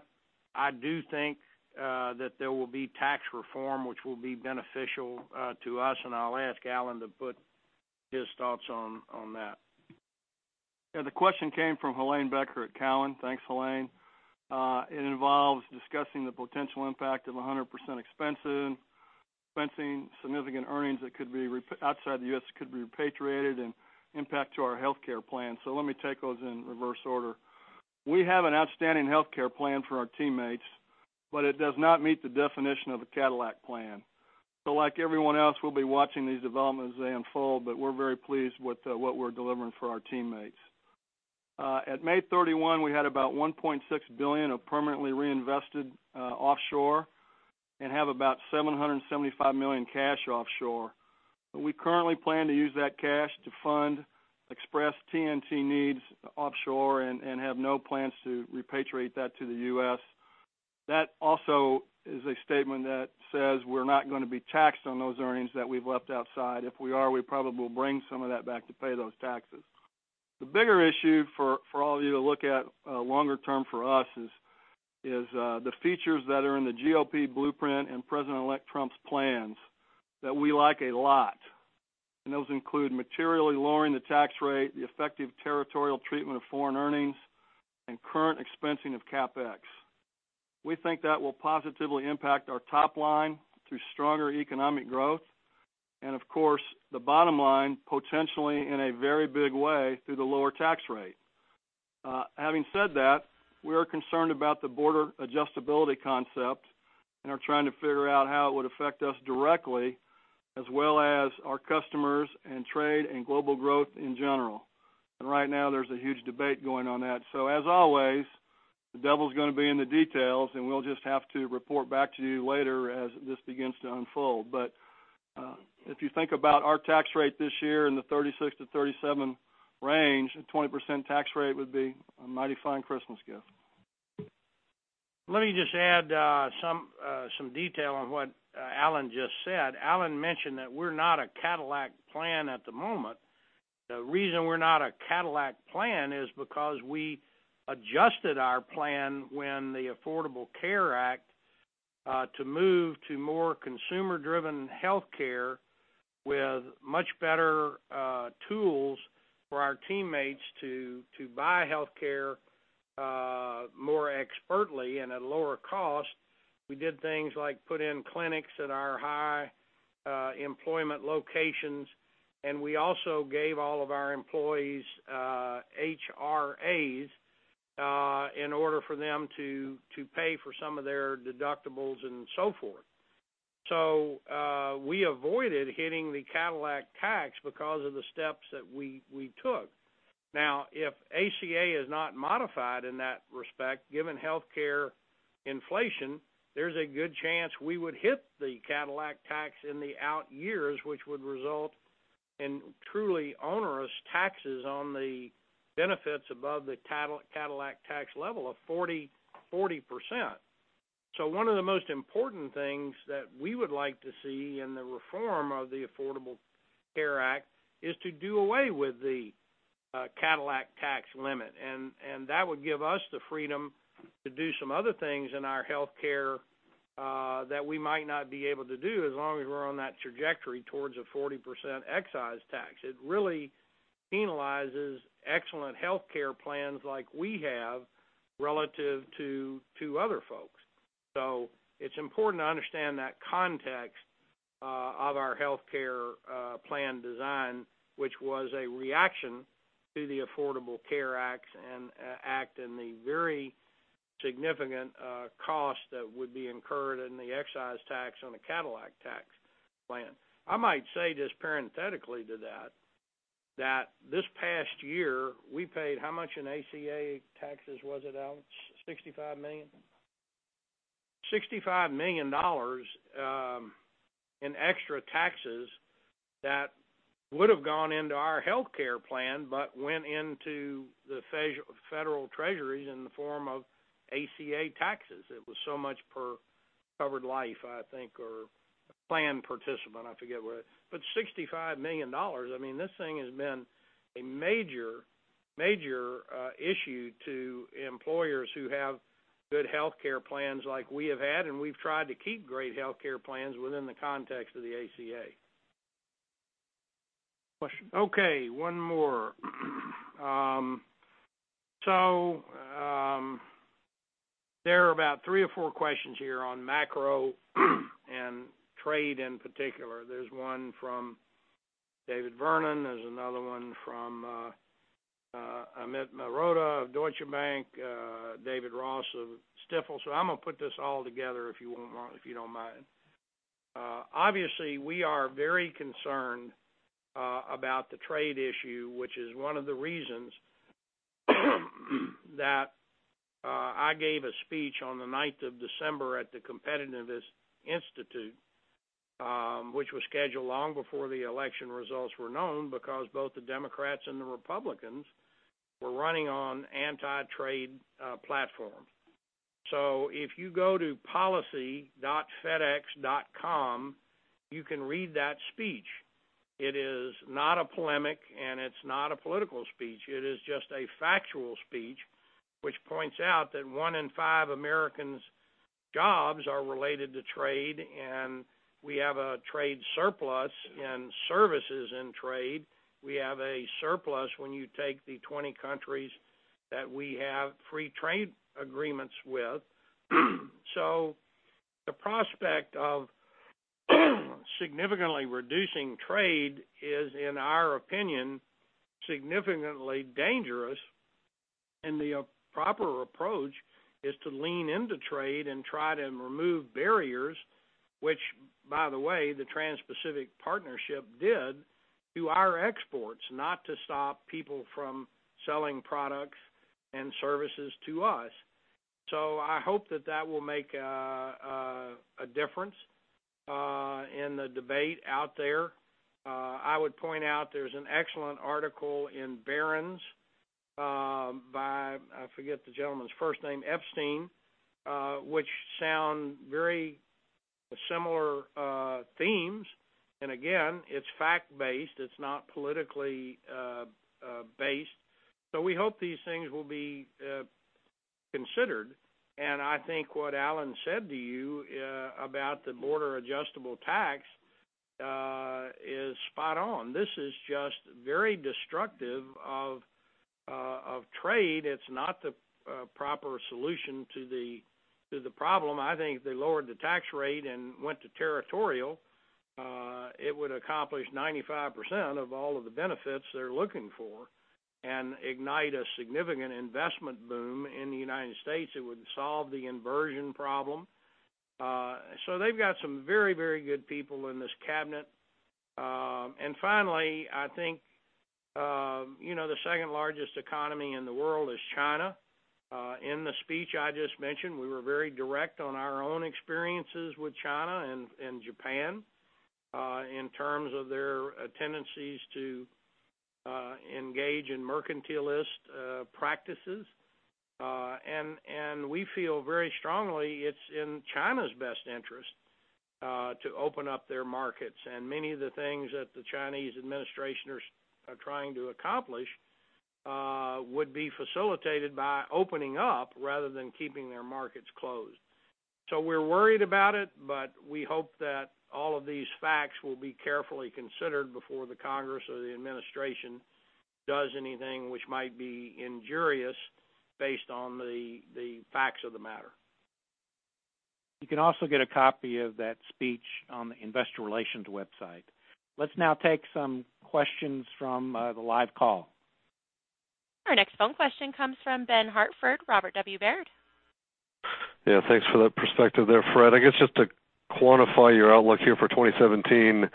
I do think that there will be tax reform, which will be beneficial to us. I'll ask Alan to put his thoughts on that. Yeah. The question came from Helene Becker at Cowen. Thanks, Helene. It involves discussing the potential impact of 100% expensing, significant earnings that could be outside the US that could be repatriated, and impact to our healthcare plan. So let me take those in reverse order. We have an outstanding healthcare plan for our teammates, but it does not meet the definition of a Cadillac plan. So like everyone else, we'll be watching these developments as they unfold, but we're very pleased with what we're delivering for our teammates. At May 31, we had about $1.6 billion of permanently reinvested offshore and have about $775 million cash offshore. We currently plan to use that cash to fund Express TNT needs offshore and have no plans to repatriate that to the US. That also is a statement that says we're not going to be taxed on those earnings that we've left outside. If we are, we probably will bring some of that back to pay those taxes. The bigger issue for all of you to look at longer term for us is the features that are in the GOP blueprint and President-elect Trump's plans that we like a lot. Those include materially lowering the tax rate, the effective territorial treatment of foreign earnings, and current expensing of CapEx. We think that will positively impact our top line through stronger economic growth. And of course, the bottom line, potentially in a very big way through the lower tax rate. Having said that, we are concerned about the border adjustability concept and are trying to figure out how it would affect us directly, as well as our customers and trade and global growth in general. Right now, there's a huge debate going on that. As always, the devil's going to be in the details, and we'll just have to report back to you later as this begins to unfold. If you think about our tax rate this year in the 36%-37% range, a 20% tax rate would be a mighty fine Christmas gift. Let me just add some detail on what Alan just said. Alan mentioned that we're not a Cadillac plan at the moment. The reason we're not a Cadillac plan is because we adjusted our plan when the Affordable Care Act to move to more consumer-driven healthcare with much better tools for our teammates to buy healthcare more expertly and at lower cost. We did things like put in clinics at our high-employment locations, and we also gave all of our employees HRAs in order for them to pay for some of their deductibles and so forth. So we avoided hitting the Cadillac tax because of the steps that we took. Now, if ACA is not modified in that respect, given healthcare inflation, there's a good chance we would hit the Cadillac tax in the out years, which would result in truly onerous taxes on the benefits above the Cadillac tax level of 40%. So one of the most important things that we would like to see in the reform of the Affordable Care Act is to do away with the Cadillac tax limit. And that would give us the freedom to do some other things in our healthcare that we might not be able to do as long as we're on that trajectory towards a 40% excise tax. It really penalizes excellent healthcare plans like we have relative to other folks. So it's important to understand that context of our healthcare plan design, which was a reaction to the Affordable Care Act and the very significant cost that would be incurred in the excise tax on the Cadillac Tax plan. I might say just parenthetically to that that this past year, we paid how much in ACA taxes? Was it 65 million? $65 million in extra taxes that would have gone into our healthcare plan but went into the federal treasuries in the form of ACA taxes. It was so much per covered life, I think, or plan participant. I forget what it is. But $65 million, I mean, this thing has been a major issue to employers who have good healthcare plans like we have had, and we've tried to keep great healthcare plans within the context of the ACA. Question. Okay. One more. So there are about three or four questions here on macro and trade in particular. There's one from David Vernon. There's another one from Amit Mehrotra of Deutsche Bank, David Ross of Stifel. So I'm going to put this all together if you don't mind. Obviously, we are very concerned about the trade issue, which is one of the reasons that I gave a speech on the 9th of December at the Council on Competitiveness, which was scheduled long before the election results were known because both the Democrats and the Republicans were running on anti-trade platforms. So if you go to policy.fedex.com, you can read that speech. It is not a polemic, and it's not a political speech. It is just a factual speech, which points out that one in five Americans' jobs are related to trade, and we have a trade surplus in services and trade. We have a surplus when you take the 20 countries that we have free trade agreements with. So the prospect of significantly reducing trade is, in our opinion, significantly dangerous. The proper approach is to lean into trade and try to remove barriers, which, by the way, the Trans-Pacific Partnership did to our exports, not to stop people from selling products and services to us. So I hope that that will make a difference in the debate out there. I would point out there's an excellent article in Barron's by, I forget the gentleman's first name, Epstein, which sounds very similar themes. And again, it's fact-based. It's not politically based. So we hope these things will be considered. And I think what Alan said to you about the Border Adjustment Tax is spot on. This is just very destructive of trade. It's not the proper solution to the problem. I think if they lowered the tax rate and went to territorial, it would accomplish 95% of all of the benefits they're looking for and ignite a significant investment boom in the United States. It would solve the inversion problem. So they've got some very, very good people in this cabinet. Finally, I think the second largest economy in the world is China. In the speech I just mentioned, we were very direct on our own experiences with China and Japan in terms of their tendencies to engage in mercantilist practices. We feel very strongly it's in China's best interest to open up their markets. Many of the things that the Chinese administration are trying to accomplish would be facilitated by opening up rather than keeping their markets closed. We're worried about it, but we hope that all of these facts will be carefully considered before the Congress or the administration does anything which might be injurious based on the facts of the matter. You can also get a copy of that speech on the Investor Relations website. Let's now take some questions from the live call. Our next phone question comes from Ben Hartford, Robert W. Baird. Yeah. Thanks for that perspective there, Fred. I guess just to quantify your outlook here for 2017,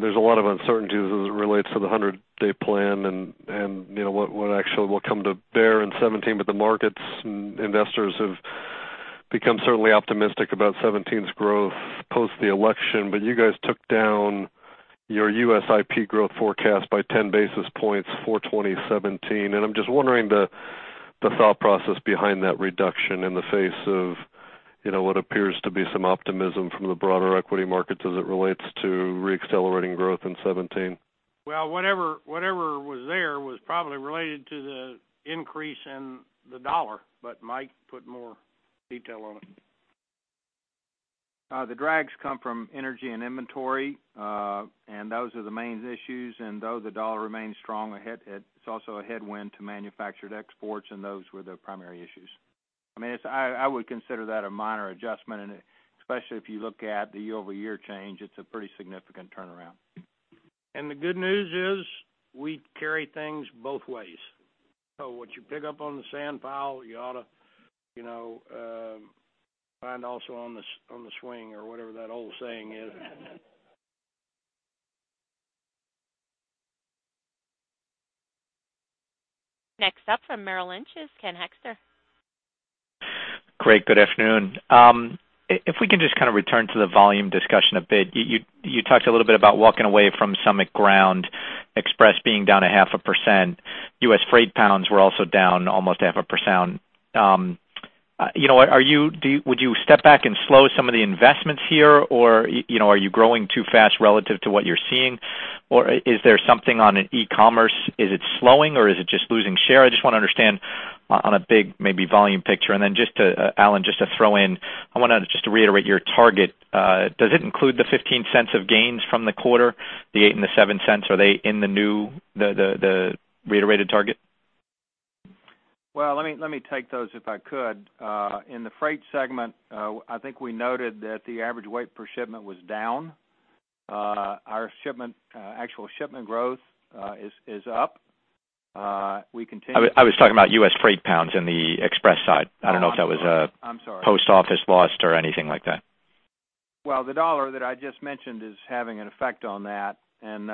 there's a lot of uncertainty as it relates to the 100-day plan and what actually will come to bear in 2017. But the markets and investors have become certainly optimistic about 2017's growth post the election. But you guys took down your U.S. IP growth forecast by 10 basis points for 2017. And I'm just wondering the thought process behind that reduction in the face of what appears to be some optimism from the broader equity markets as it relates to re-accelerating growth in 2017. Well, whatever was there was probably related to the increase in the dollar, but Mike put more detail on it. The drags come from energy and inventory, and those are the main issues. Though the dollar remains strong, it's also a headwind to manufactured exports, and those were the primary issues. I mean, I would consider that a minor adjustment, especially if you look at the year-over-year change. It's a pretty significant turnaround. The good news is we carry things both ways. So what you pick up on the sand pile, you ought to find also on the swing or whatever that old saying is. Next up from Merrill Lynch is Ken Hoexter. Great. Good afternoon. If we can just kind of return to the volume discussion a bit. You talked a little bit about walking away from some Ground, Express being down 0.5%. U.S. Freight pounds were also down almost 0.5%. Are you, would you step back and slow some of the investments here, or are you growing too fast relative to what you're seeing? Or is there something on e-commerce? Is it slowing, or is it just losing share? I just want to understand on a big, maybe volume picture. And then just to, Alan, just to throw in, I want to just reiterate your target. Does it include the $0.15 of gains from the quarter, the $0.08 and the $0.07? Are they in the new, the reiterated target? Well, let me take those if I could. In the Freight segment, I think we noted that the average weight per shipment was down. Our actual shipment growth is up. We continue. I was talking about U.S. Freight pounds in the Express side. I don't know if that was a post office loss or anything like that. Well, the U.S. dollar that I just mentioned is having an effect on that. And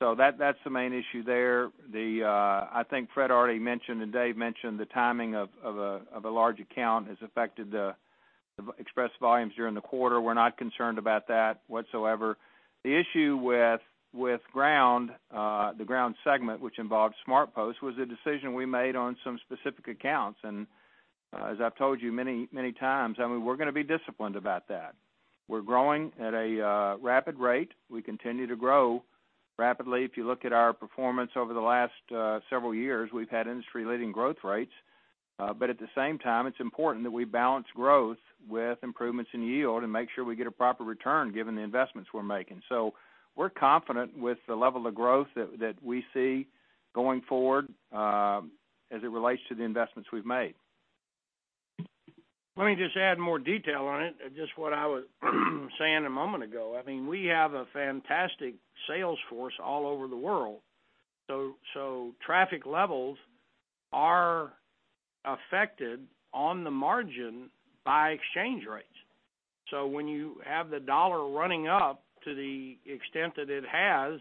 so that's the main issue there. I think Fred already mentioned and Dave mentioned the timing of a large account has affected the Express volumes during the quarter. We're not concerned about that whatsoever. The issue with the Ground segment, which involved SmartPost, was the decision we made on some specific accounts. And as I've told you many times, I mean, we're going to be disciplined about that. We're growing at a rapid rate. We continue to grow rapidly. If you look at our performance over the last several years, we've had industry-leading growth rates. But at the same time, it's important that we balance growth with improvements in yield and make sure we get a proper return given the investments we're making. We're confident with the level of growth that we see going forward as it relates to the investments we've made. Let me just add more detail on it, just what I was saying a moment ago. I mean, we have a fantastic sales force all over the world. So traffic levels are affected on the margin by exchange rates. So when you have the dollar running up to the extent that it has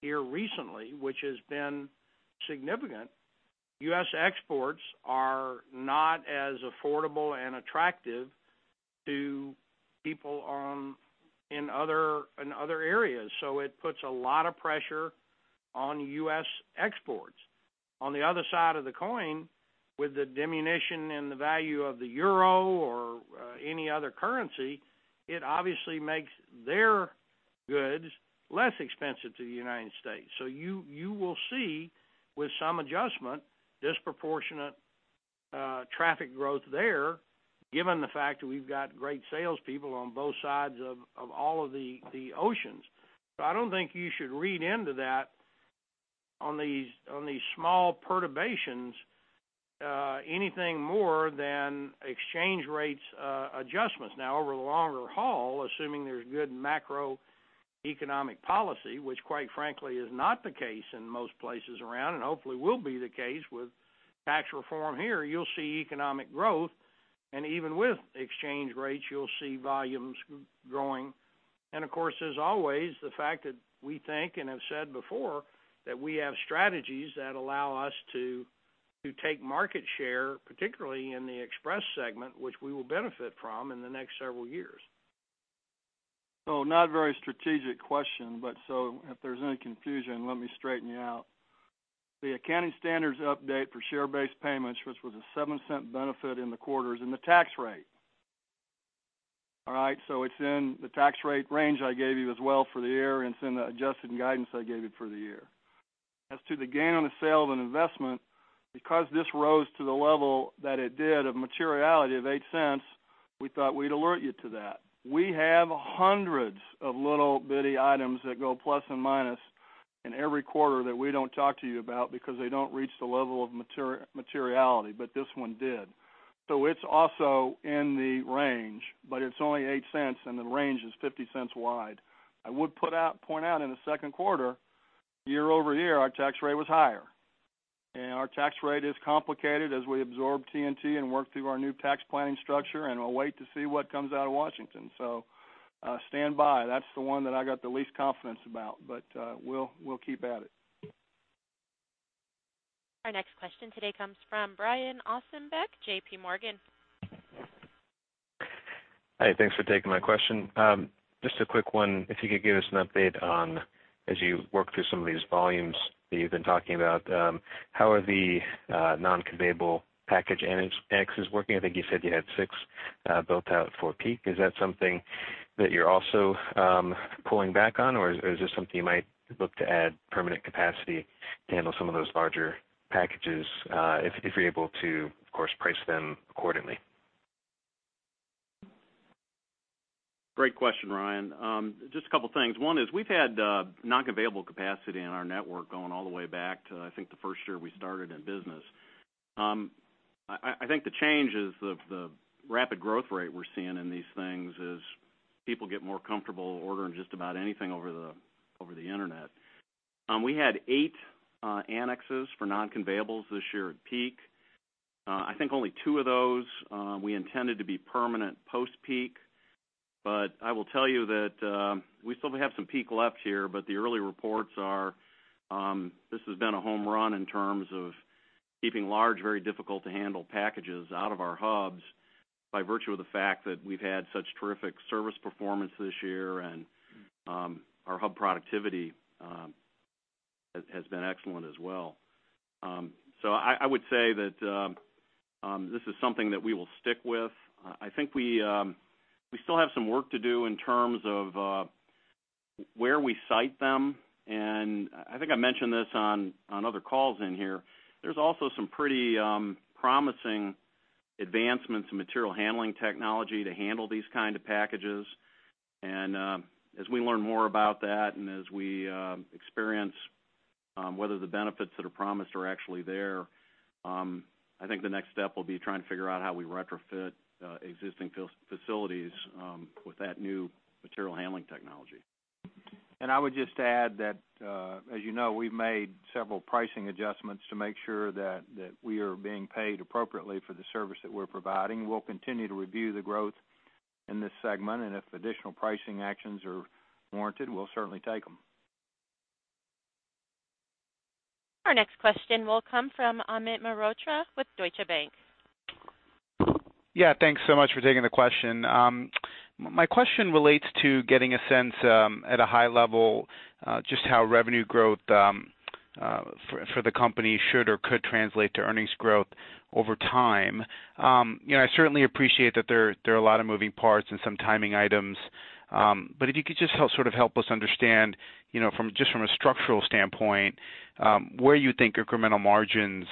here recently, which has been significant, U.S. exports are not as affordable and attractive to people in other areas. So it puts a lot of pressure on U.S. exports. On the other side of the coin, with the diminution in the value of the euro or any other currency, it obviously makes their goods less expensive to the United States. So you will see, with some adjustment, disproportionate traffic growth there, given the fact that we've got great salespeople on both sides of all of the oceans. I don't think you should read into that on these small perturbations anything more than exchange rate adjustments. Now, over the longer haul, assuming there's good macroeconomic policy, which quite frankly is not the case in most places around and hopefully will be the case with tax reform here, you'll see economic growth. Even with exchange rates, you'll see volumes growing. Of course, as always, the fact that we think and have said before that we have strategies that allow us to take market share, particularly in the Express segment, which we will benefit from in the next several years. So not a very strategic question, but so if there's any confusion, let me straighten you out. The accounting standards update for share-based payments, which was a $0.07 benefit in the quarters, and the tax rate. All right? So it's in the tax rate range I gave you as well for the year, and it's in the adjusted guidance I gave you for the year. As to the gain on the sale of an investment, because this rose to the level that it did of materiality of $0.08, we thought we'd alert you to that. We have hundreds of little bitty items that go plus and minus in every quarter that we don't talk to you about because they don't reach the level of materiality. But this one did. So it's also in the range, but it's only $0.08, and the range is $0.50 wide. I would point out in the second quarter, year-over-year, our tax rate was higher. Our tax rate is complicated as we absorb TNT and work through our new tax planning structure, and we'll wait to see what comes out of Washington. Stand by. That's the one that I got the least confidence about, but we'll keep at it. Our next question today comes from Brian Ossenbeck, J.P. Morgan. Hi. Thanks for taking my question. Just a quick one. If you could give us an update on, as you work through some of these volumes that you've been talking about, how are the non-conveyable package annexes working? I think you said you had six built out for peak. Is that something that you're also pulling back on, or is this something you might look to add permanent capacity to handle some of those larger packages if you're able to, of course, price them accordingly? Great question, Brian. Just a couple of things. One is we've had non-conveyable capacity in our network going all the way back to, I think, the first year we started in business. I think the change is the rapid growth rate we're seeing in these things is people get more comfortable ordering just about anything over the internet. We had 8 annexes for non-conveyables this year at peak. I think only 2 of those we intended to be permanent post-peak. But I will tell you that we still have some peak left here, but the early reports are this has been a home run in terms of keeping large, very difficult-to-handle packages out of our hubs by virtue of the fact that we've had such terrific service performance this year, and our hub productivity has been excellent as well. So I would say that this is something that we will stick with. I think we still have some work to do in terms of where we site them. And I think I mentioned this on other calls in here. There's also some pretty promising advancements in material handling technology to handle these kinds of packages. And as we learn more about that and as we experience whether the benefits that are promised are actually there, I think the next step will be trying to figure out how we retrofit existing facilities with that new material handling technology. And I would just add that, as you know, we've made several pricing adjustments to make sure that we are being paid appropriately for the service that we're providing. We'll continue to review the growth in this segment, and if additional pricing actions are warranted, we'll certainly take them. Our next question will come from Amit Mehrotra with Deutsche Bank. Yeah. Thanks so much for taking the question. My question relates to getting a sense at a high level just how revenue growth for the company should or could translate to earnings growth over time. I certainly appreciate that there are a lot of moving parts and some timing items. But if you could just sort of help us understand, just from a structural standpoint, where you think incremental margins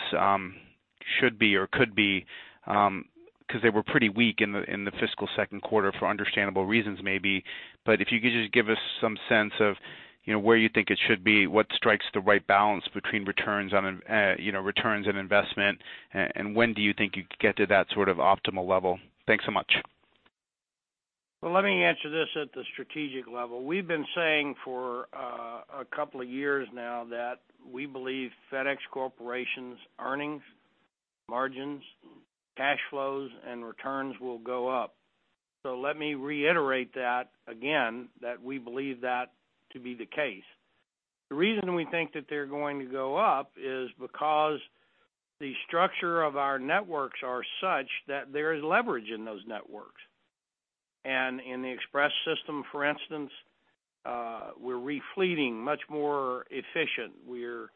should be or could be because they were pretty weak in the fiscal second quarter for understandable reasons, maybe. But if you could just give us some sense of where you think it should be, what strikes the right balance between returns and investment, and when do you think you get to that sort of optimal level? Thanks so much. Well, let me answer this at the strategic level. We've been saying for a couple of years now that we believe FedEx Corporation's earnings, margins, cash flows, and returns will go up. So let me reiterate that again, that we believe that to be the case. The reason we think that they're going to go up is because the structure of our networks is such that there is leverage in those networks. And in the Express system, for instance, we're re-fleeting much more efficient. We're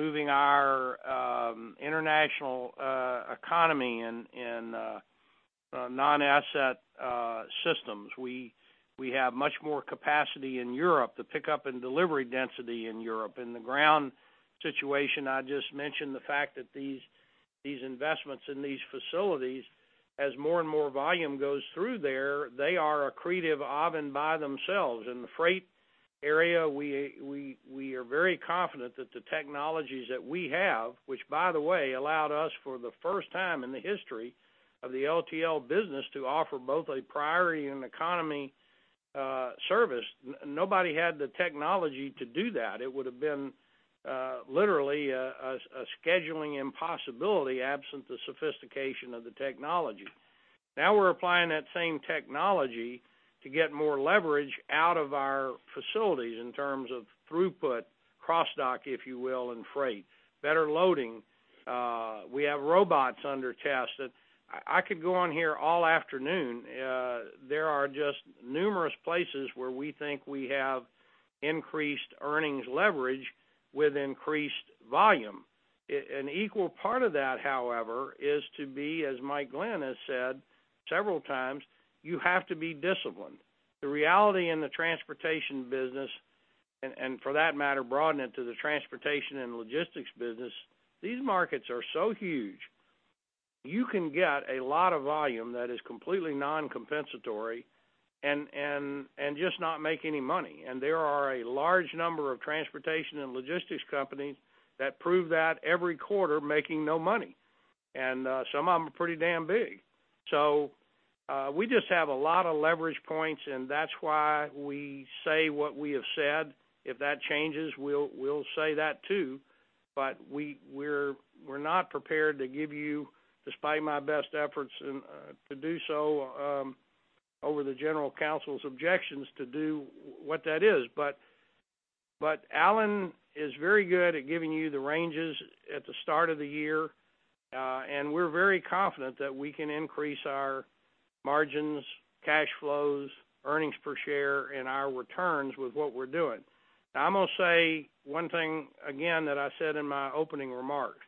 moving our International Economy in non-asset systems. We have much more capacity in Europe to pick up and delivery density in Europe. In the Ground situation, I just mentioned the fact that these investments in these facilities, as more and more volume goes through there, they are accretive even by themselves. In the Freight area, we are very confident that the technologies that we have, which, by the way, allowed us for the first time in the history of the LTL business to offer both a Priority and Economy service. Nobody had the technology to do that. It would have been literally a scheduling impossibility absent the sophistication of the technology. Now we're applying that same technology to get more leverage out of our facilities in terms of throughput, cross-dock, if you will, and Freight, better loading. We have robots under test. I could go on here all afternoon. There are just numerous places where we think we have increased earnings leverage with increased volume. An equal part of that, however, is to be, as Mike Glenn has said several times, you have to be disciplined. The reality in the transportation business, and for that matter, broaden it to the transportation and logistics business, these markets are so huge. You can get a lot of volume that is completely non-compensatory and just not make any money. And there are a large number of transportation and logistics companies that prove that every quarter, making no money. And some of them are pretty damn big. So we just have a lot of leverage points, and that's why we say what we have said. If that changes, we'll say that too. But we're not prepared to give you, despite my best efforts to do so, over the general counsel's objections to do what that is. But Alan is very good at giving you the ranges at the start of the year, and we're very confident that we can increase our margins, cash flows, earnings per share, and our returns with what we're doing. I'm going to say one thing again that I said in my opening remarks.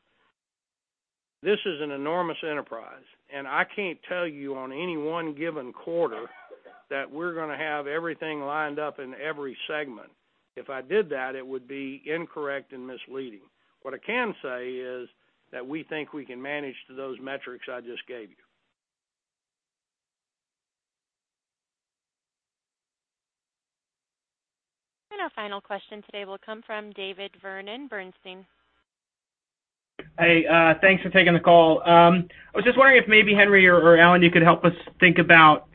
This is an enormous enterprise, and I can't tell you on any one given quarter that we're going to have everything lined up in every segment. If I did that, it would be incorrect and misleading. What I can say is that we think we can manage to those metrics I just gave you. Our final question today will come from David Vernon, Bernstein. Hey. Thanks for taking the call. I was just wondering if maybe Henry or Alan, you could help us think about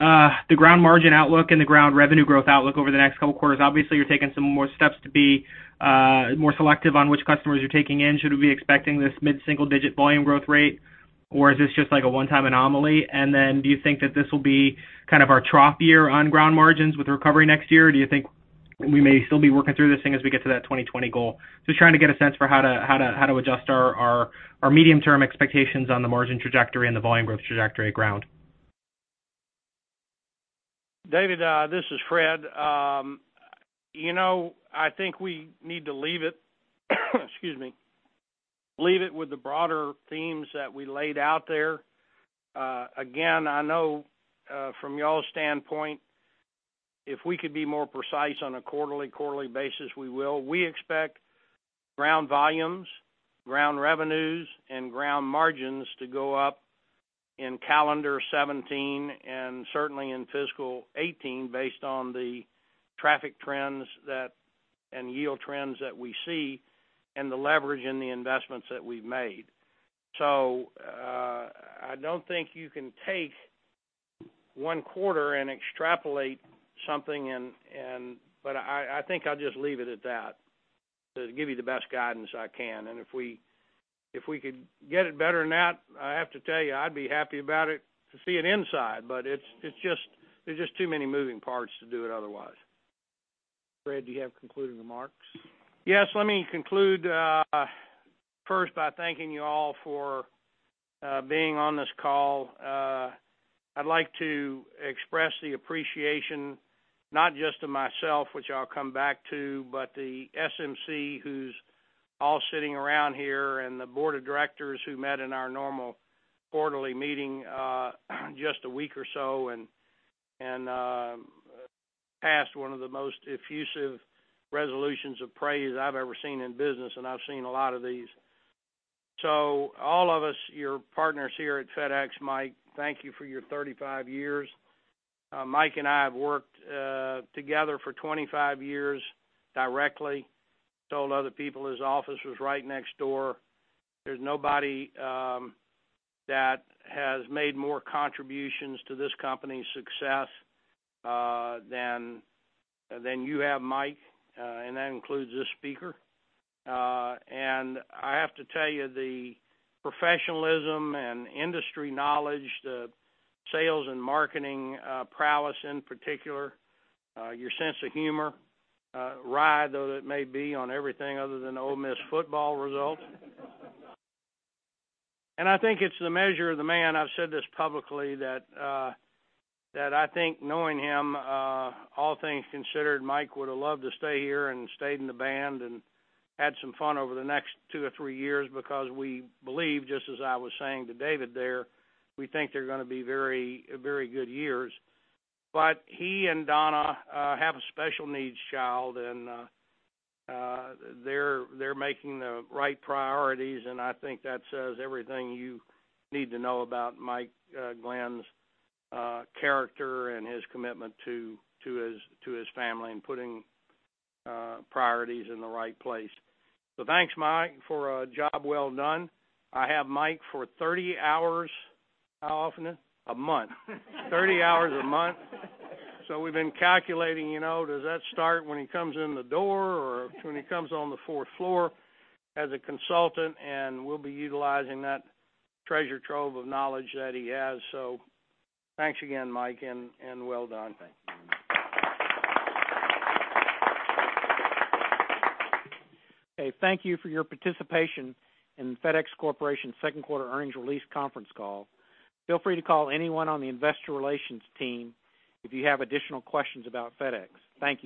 the Ground margin outlook and the Ground revenue growth outlook over the next couple of quarters. Obviously, you're taking some more steps to be more selective on which customers you're taking in. Should we be expecting this mid-single-digit volume growth rate, or is this just like a one-time anomaly? And then do you think that this will be kind of our trough year on Ground margins with recovery next year, or do you think we may still be working through this thing as we get to that 2020 goal? Just trying to get a sense for how to adjust our medium-term expectations on the margin trajectory and the volume growth trajectory at Ground. David, this is Fred. I think we need to leave it, excuse me, leave it with the broader themes that we laid out there. Again, I know from y'all's standpoint, if we could be more precise on a quarterly, quarterly basis, we will. We expect Ground volumes, Ground revenues, and Ground margins to go up in calendar 2017 and certainly in fiscal 2018 based on the traffic trends and yield trends that we see and the leverage in the investments that we've made. So I don't think you can take one quarter and extrapolate something, but I think I'll just leave it at that to give you the best guidance I can. If we could get it better than that, I have to tell you, I'd be happy about it to see it inside. There's just too many moving parts to do it otherwise. Fred, do you have concluding remarks? Yes. Let me conclude first by thanking you all for being on this call. I'd like to Express the appreciation not just to myself, which I'll come back to, but the SMC who's all sitting around here and the board of directors who met in our normal quarterly meeting just a week or so and passed one of the most effusive resolutions of praise I've ever seen in business, and I've seen a lot of these. So all of us, your partners here at FedEx, Mike, thank you for your 35 years. Mike and I have worked together for 25 years directly. Told other people his office was right next door. There's nobody that has made more contributions to this company's success than you have, Mike, and that includes this speaker. I have to tell you, the professionalism and industry knowledge, the sales and marketing prowess in particular, your sense of humor, albeit it may be on everything other than Ole Miss football results. I think it's the measure of the man. I've said this publicly that I think knowing him, all things considered, Mike would have loved to stay here and stayed in the band and had some fun over the next two or three years because we believe, just as I was saying to David there, we think they're going to be very, very good years. But he and Donna have a special needs child, and they're making the right priorities, and I think that says everything you need to know about Mike Glenn's character and his commitment to his family and putting priorities in the right place. So thanks, Mike, for a job well done. I have Mike for 30 hours. How often? A month. 30 hours a month. So we've been calculating, does that start when he comes in the door or when he comes on the fourth floor as a consultant, and we'll be utilizing that treasure trove of knowledge that he has. So thanks again, Mike, and well done. Thank you. Okay. Thank you for your participation in the FedEx Corporation second quarter Earnings Release Conference Call. Feel free to call anyone on the investor relations team if you have additional questions about FedEx. Thank you.